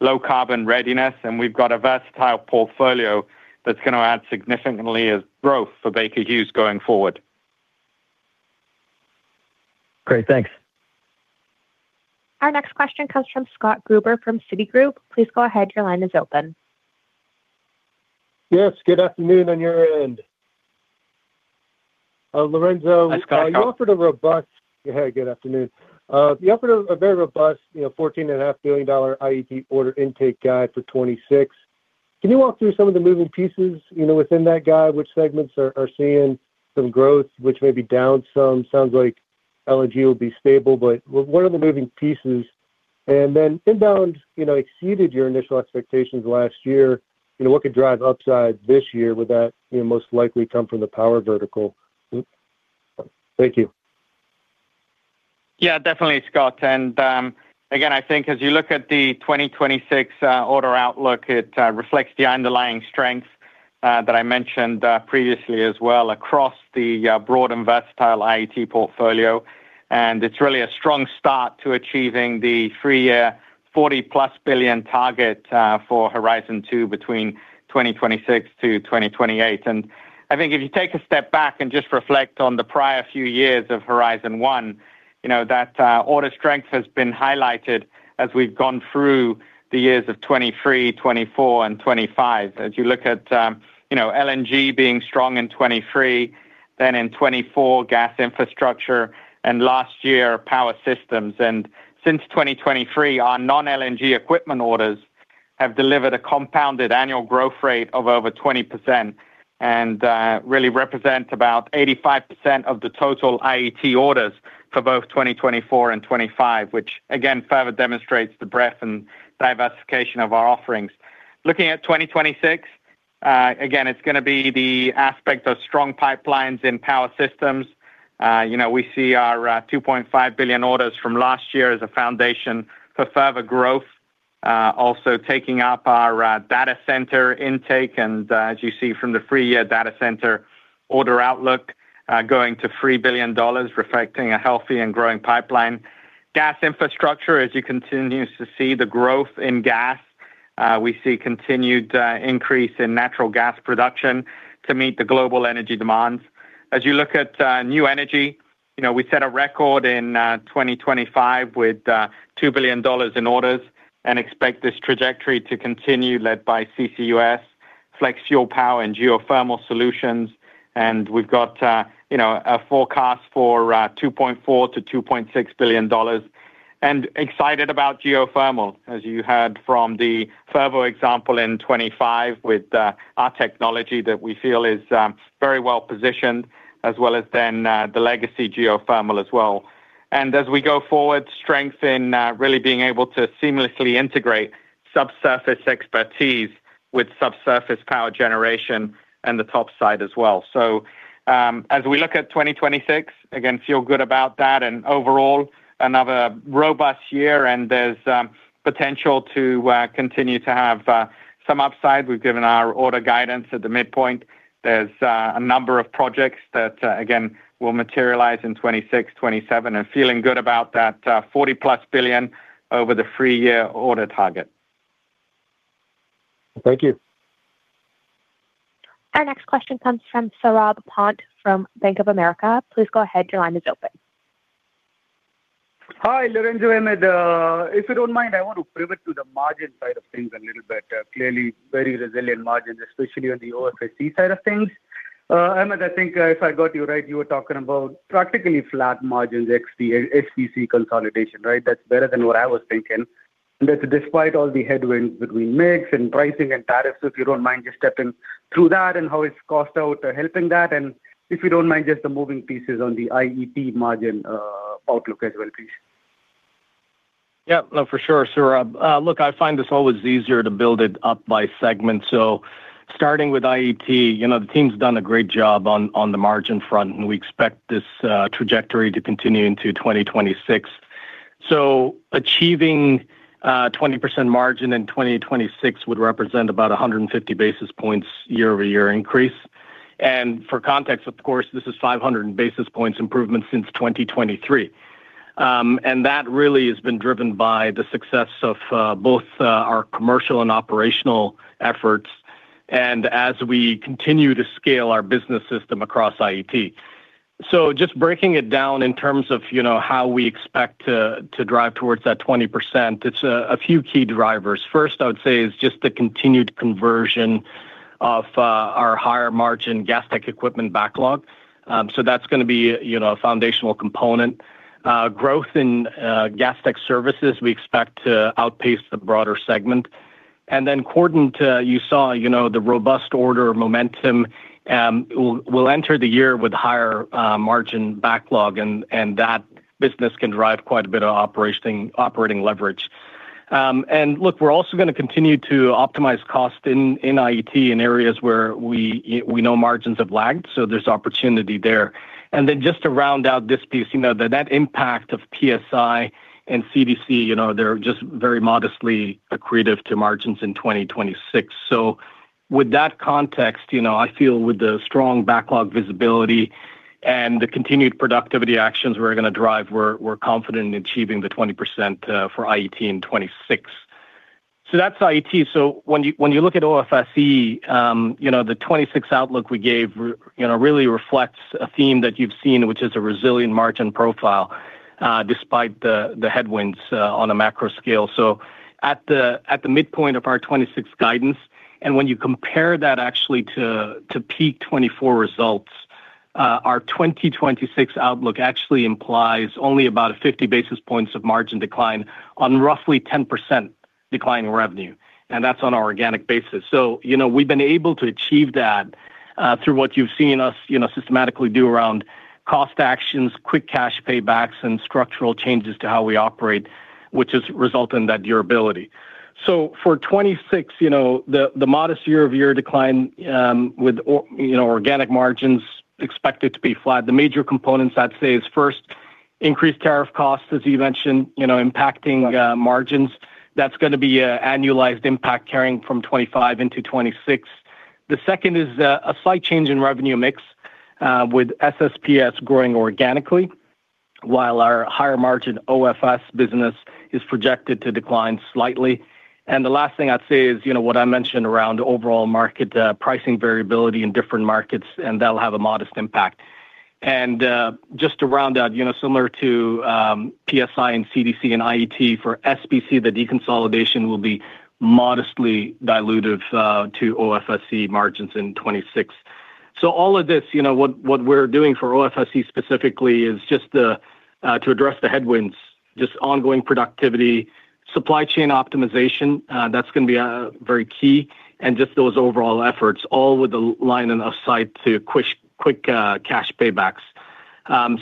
low carbon readiness, and we've got a versatile portfolio that's gonna add significantly as growth for Baker Hughes going forward. Great, thanks. Our next question comes from Scott Gruber from Citigroup. Please go ahead. Your line is open. Yes, good afternoon on your end. Lorenzo- Hi, Scott. Hey, good afternoon. You offered a very robust, you know, $14.5 billion IET order intake guide for 2026. Can you walk through some of the moving pieces, you know, within that guide? Which segments are seeing some growth, which may be down some? Sounds like LNG will be stable, but what are the moving pieces? And then inbound, you know, exceeded your initial expectations last year. You know, what could drive upside this year? Would that, you know, most likely come from the power vertical? Thank you. Yeah, definitely, Scott, and, again, I think as you look at the 2026 order outlook, it reflects the underlying strength that I mentioned previously as well across the broad and versatile IET portfolio. And it's really a strong start to achieving the 3-year $40+ billion target for Horizon 2 between 2026 to 2028. And I think if you take a step back and just reflect on the prior few years of Horizon 1, you know, that order strength has been highlighted as we've gone through the years of 2023, 2024, and 2025. As you look at, you know, LNG being strong in 2023, then in 2024, gas infrastructure, and last year, power systems. Since 2023, our non-LNG equipment orders have delivered a compounded annual growth rate of over 20% and really represent about 85% of the total IET orders for both 2024 and 2025, which again further demonstrates the breadth and diversification of our offerings. Looking at 2026, again, it's gonna be the aspect of strong pipelines in power systems. You know, we see our $2.5 billion orders from last year as a foundation for further growth, also taking up our data center intake. And as you see from the three-year data center order outlook, going to $3 billion, reflecting a healthy and growing pipeline. Gas infrastructure, as you continue to see the growth in gas, we see continued increase in natural gas production to meet the global energy demands. As you look at New Energy, you know, we set a record in 2025 with $2 billion in orders and expect this trajectory to continue, led by CCUS, flex fuel power, and geothermal solutions. And we've got, you know, a forecast for $2.4-$2.6 billion. And excited about geothermal, as you heard from the Fervo example in 2025, with our technology that we feel is very well positioned, as well as then the legacy geothermal as well. And as we go forward, strength in really being able to seamlessly integrate subsurface expertise with subsurface power generation and the topside as well. So, as we look at 2026, again, feel good about that, and overall, another robust year, and there's potential to continue to have some upside. We've given our order guidance at the midpoint. There's a number of projects that, again, will materialize in 2026, 2027, and feeling good about that $40+ billion over the three-year order target. Thank you. Our next question comes from Saurabh Pant from Bank of America. Please go ahead. Your line is open. Hi, Lorenzo, Ahmed. If you don't mind, I want to pivot to the margin side of things a little bit. Clearly, very resilient margins, especially on the OFSE side of things. Ahmed, I think, if I got you right, you were talking about practically flat margins, SPC consolidation, right? That's better than what I was thinking. That despite all the headwinds between mix and pricing and tariffs, so if you don't mind just stepping through that and how it's cost out helping that, and if you don't mind, just the moving pieces on the IET margin, outlook as well, please. Yeah. No, for sure, Saurabh. Look, I find this always easier to build it up by segment. So starting with IET, you know, the team's done a great job on the margin front, and we expect this trajectory to continue into 2026. So achieving 20% margin in 2026 would represent about 150 basis points year-over-year increase. And for context, of course, this is 500 basis points improvement since 2023. And that really has been driven by the success of both our commercial and operational efforts and as we continue to scale our business system across IET. So just breaking it down in terms of, you know, how we expect to drive towards that 20%, it's a few key drivers. First, I would say, is just the continued conversion of our higher-margin Gas Tech equipment backlog. So that's gonna be, you know, a foundational component. Growth in Gas Tech services, we expect to outpace the broader segment. And then Cordant—you saw, you know, the robust order momentum, we'll enter the year with higher margin backlog, and that business can drive quite a bit of operating leverage. And look, we're also gonna continue to optimize cost in IET in areas where we know margins have lagged, so there's opportunity there. And then just to round out this piece, you know, that impact of PSI and CDC, you know, they're just very modestly accretive to margins in 2026. So- With that context, you know, I feel with the strong backlog visibility and the continued productivity actions we're gonna drive, we're confident in achieving the 20% for IET in 2026. So that's IET. So when you look at OFSE, you know, the 2026 outlook we gave really reflects a theme that you've seen, which is a resilient margin profile, despite the headwinds on a macro scale. So at the midpoint of our 2026 guidance, and when you compare that actually to peak 2024 results, our 2026 outlook actually implies only about 50 basis points of margin decline on roughly 10% decline in revenue, and that's on our organic basis. So, you know, we've been able to achieve that, through what you've seen us, you know, systematically do around cost actions, quick cash paybacks, and structural changes to how we operate, which has resulted in that durability. So for 2026, you know, the modest year-over-year decline, with, you know, organic margins expected to be flat. The major components, I'd say, is first, increased tariff costs, as you mentioned, you know, impacting margins. That's gonna be an annualized impact carrying from 2025 into 2026. The second is a slight change in revenue mix, with SSPS growing organically, while our higher margin OFS business is projected to decline slightly. And the last thing I'd say is, you know, what I mentioned around overall market pricing variability in different markets, and that'll have a modest impact. Just to round out, you know, similar to PSI and CDC and IET, for SPC, the deconsolidation will be modestly dilutive to OFSE margins in 2026. So all of this, you know, what we're doing for OFSE specifically is just to address the headwinds, just ongoing productivity, supply chain optimization, that's gonna be very key, and just those overall efforts, all with the line of sight to quick cash paybacks.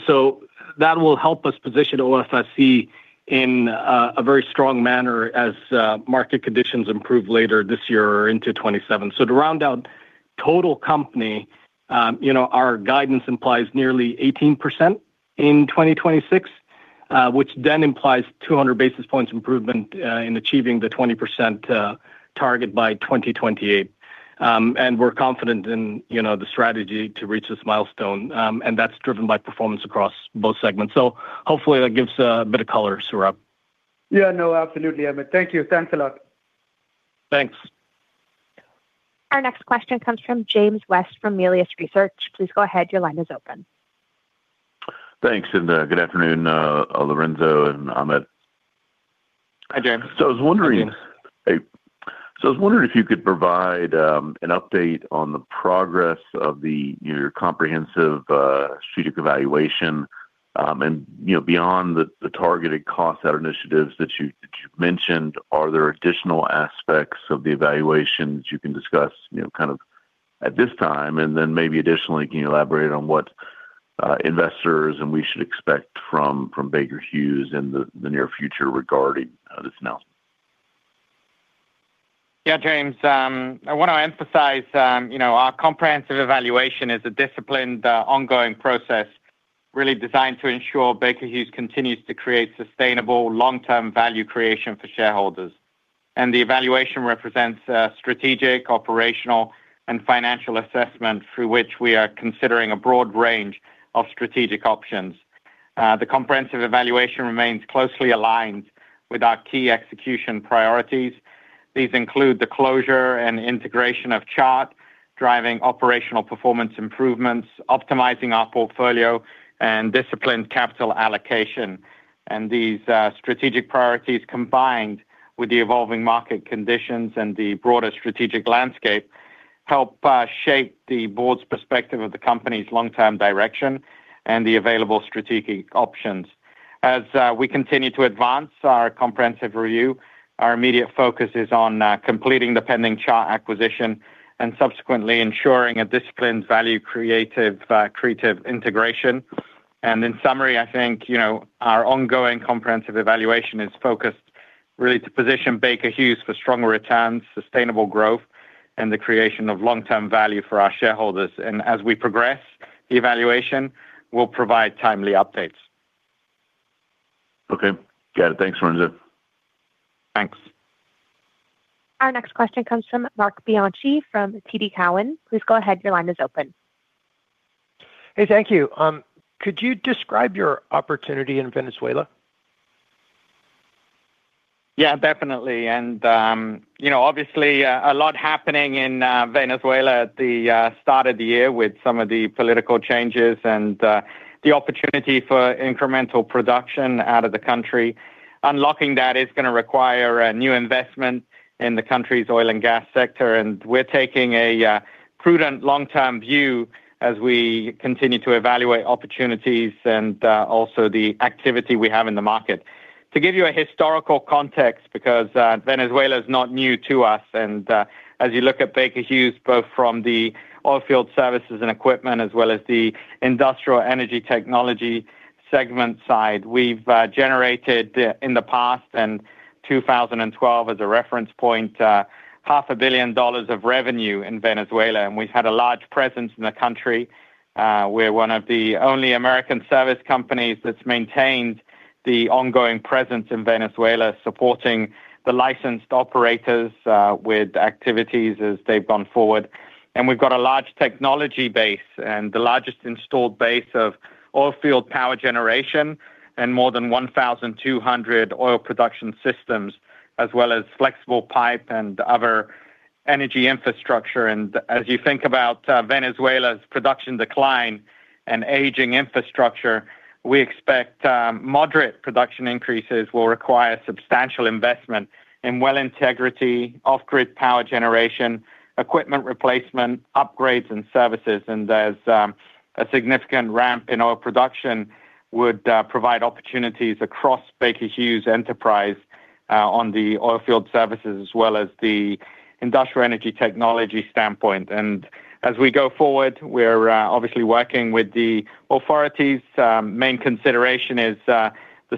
So that will help us position OFSE in a very strong manner as market conditions improve later this year or into 2027. So to round out total company, you know, our guidance implies nearly 18% in 2026, which then implies 200 basis points improvement in achieving the 20% target by 2028. and we're confident in, you know, the strategy to reach this milestone, and that's driven by performance across both segments. So hopefully that gives a bit of color, Saurabh. Yeah, no, absolutely, Ahmed. Thank you. Thanks a lot. Thanks. Our next question comes from James West from Melius Research. Please go ahead. Your line is open. Thanks, and good afternoon, Lorenzo and Ahmed. Hi, James. So I was wondering- Hi, James. Hey. So I was wondering if you could provide, an update on the progress of the, your comprehensive, strategic evaluation, and, you know, beyond the, the targeted cost out initiatives that you, that you mentioned, are there additional aspects of the evaluation that you can discuss, you know, kind of at this time? And then maybe additionally, can you elaborate on what, investors and we should expect from, from Baker Hughes in the, the near future regarding, this announcement? Yeah, James, I want to emphasize, you know, our comprehensive evaluation is a disciplined, ongoing process, really designed to ensure Baker Hughes continues to create sustainable, long-term value creation for shareholders. The evaluation represents a strategic, operational, and financial assessment through which we are considering a broad range of strategic options. The comprehensive evaluation remains closely aligned with our key execution priorities. These include the closure and integration of Chart, driving operational performance improvements, optimizing our portfolio, and disciplined capital allocation. These strategic priorities, combined with the evolving market conditions and the broader strategic landscape, help shape the board's perspective of the company's long-term direction and the available strategic options. As we continue to advance our comprehensive review, our immediate focus is on completing the pending Chart acquisition and subsequently ensuring a disciplined, value-creating integration. In summary, I think, you know, our ongoing comprehensive evaluation is focused really to position Baker Hughes for strong returns, sustainable growth, and the creation of long-term value for our shareholders. As we progress, the evaluation will provide timely updates. Okay. Got it. Thanks, Lorenzo. Thanks. Our next question comes from Mark Bianchi from TD Cowen. Please go ahead. Your line is open. Hey, thank you. Could you describe your opportunity in Venezuela? Yeah, definitely. And, you know, obviously, a lot happening in Venezuela at the start of the year with some of the political changes and the opportunity for incremental production out of the country. Unlocking that is gonna require a new investment in the country's oil and gas sector, and we're taking a prudent long-term view as we continue to evaluate opportunities and also the activity we have in the market. To give you a historical context, because Venezuela is not new to us, and as you look at Baker Hughes, both from the oil field services and equipment as well as the industrial energy technology segment side, we've generated in the past, and 2012 as a reference point, $500 million of revenue in Venezuela, and we've had a large presence in the country. We're one of the only American service companies that's maintained the ongoing presence in Venezuela, supporting the licensed operators with activities as they've gone forward. And we've got a large technology base and the largest installed base of oilfield power generation and more than 1,200 oil production systems, as well as flexible pipe and other energy infrastructure. And as you think about Venezuela's production decline and aging infrastructure, we expect moderate production increases will require substantial investment in well integrity, off-grid power generation, equipment replacement, upgrades, and services. And there's a significant ramp in oil production would provide opportunities across Baker Hughes enterprise on the oilfield services as well as the industrial energy technology standpoint. And as we go forward, we're obviously working with the authorities. Main consideration is the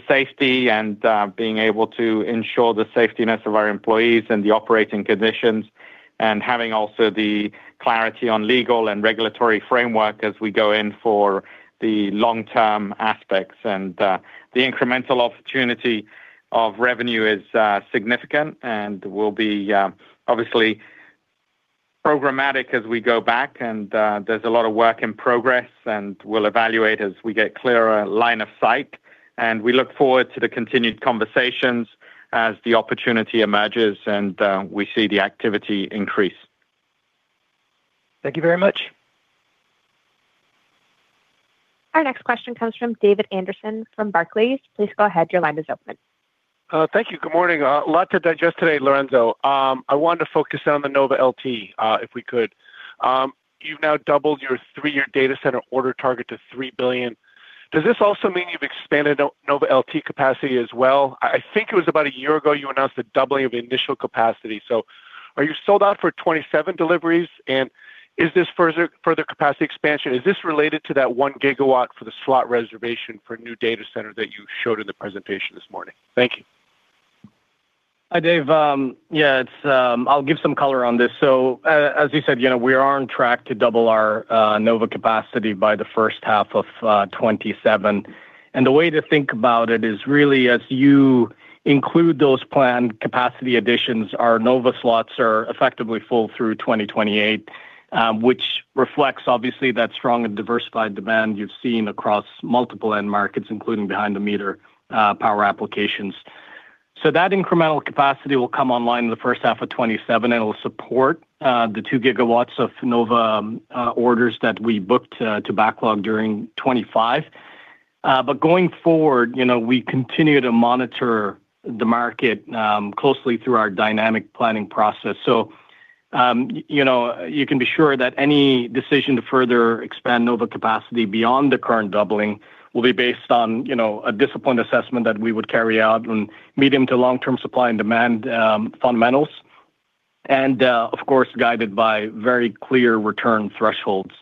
safety and being able to ensure the safeness of our employees and the operating conditions, and having also the clarity on legal and regulatory framework as we go in for the long-term aspects. And the incremental opportunity of revenue is significant and will be obviously programmatic as we go back. And there's a lot of work in progress, and we'll evaluate as we get clearer line of sight. And we look forward to the continued conversations as the opportunity emerges and we see the activity increase. Thank you very much. Our next question comes from David Anderson from Barclays. Please go ahead. Your line is open. Thank you. Good morning. A lot to digest today, Lorenzo. I wanted to focus on the NovaLT, if we could. You've now doubled your three-year data center order target to $3 billion. Does this also mean you've expanded NovaLT capacity as well? I think it was about a year ago you announced the doubling of the initial capacity. So are you sold out for 2027 deliveries, and is this further capacity expansion? Is this related to that 1 GW for the slot reservation for new data center that you showed in the presentation this morning? Thank you. Hi, Dave. Yeah, it's... I'll give some color on this. So, as you said, you know, we are on track to double our Nova capacity by the first half of 2027. And the way to think about it is really as you include those planned capacity additions, our Nova slots are effectively full through 2028, which reflects obviously that strong and diversified demand you've seen across multiple end markets, including behind-the-meter power applications. So that incremental capacity will come online in the first half of 2027, and it will support the 2 GW of Nova orders that we booked to backlog during 2025. But going forward, you know, we continue to monitor the market closely through our dynamic planning process. So, you know, you can be sure that any decision to further expand NovaLT capacity beyond the current doubling will be based on, you know, a disciplined assessment that we would carry out on medium- to long-term supply and demand fundamentals, and, of course, guided by very clear return thresholds.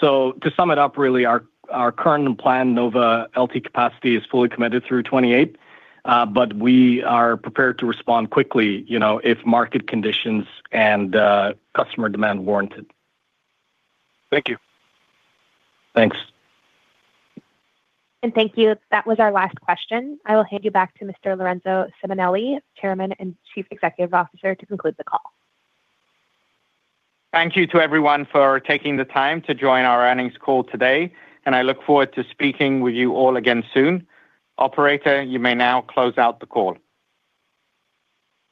So to sum it up, really, our current plan, NovaLT capacity, is fully committed through 2028, but we are prepared to respond quickly, you know, if market conditions and customer demand warrant it. Thank you. Thanks. Thank you. That was our last question. I will hand you back to Mr. Lorenzo Simonelli, Chairman and Chief Executive Officer, to conclude the call. Thank you to everyone for taking the time to join our earnings call today, and I look forward to speaking with you all again soon. Operator, you may now close out the call.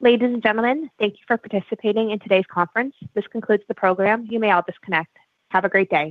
Ladies and gentlemen, thank you for participating in today's conference. This concludes the program. You may all disconnect. Have a great day.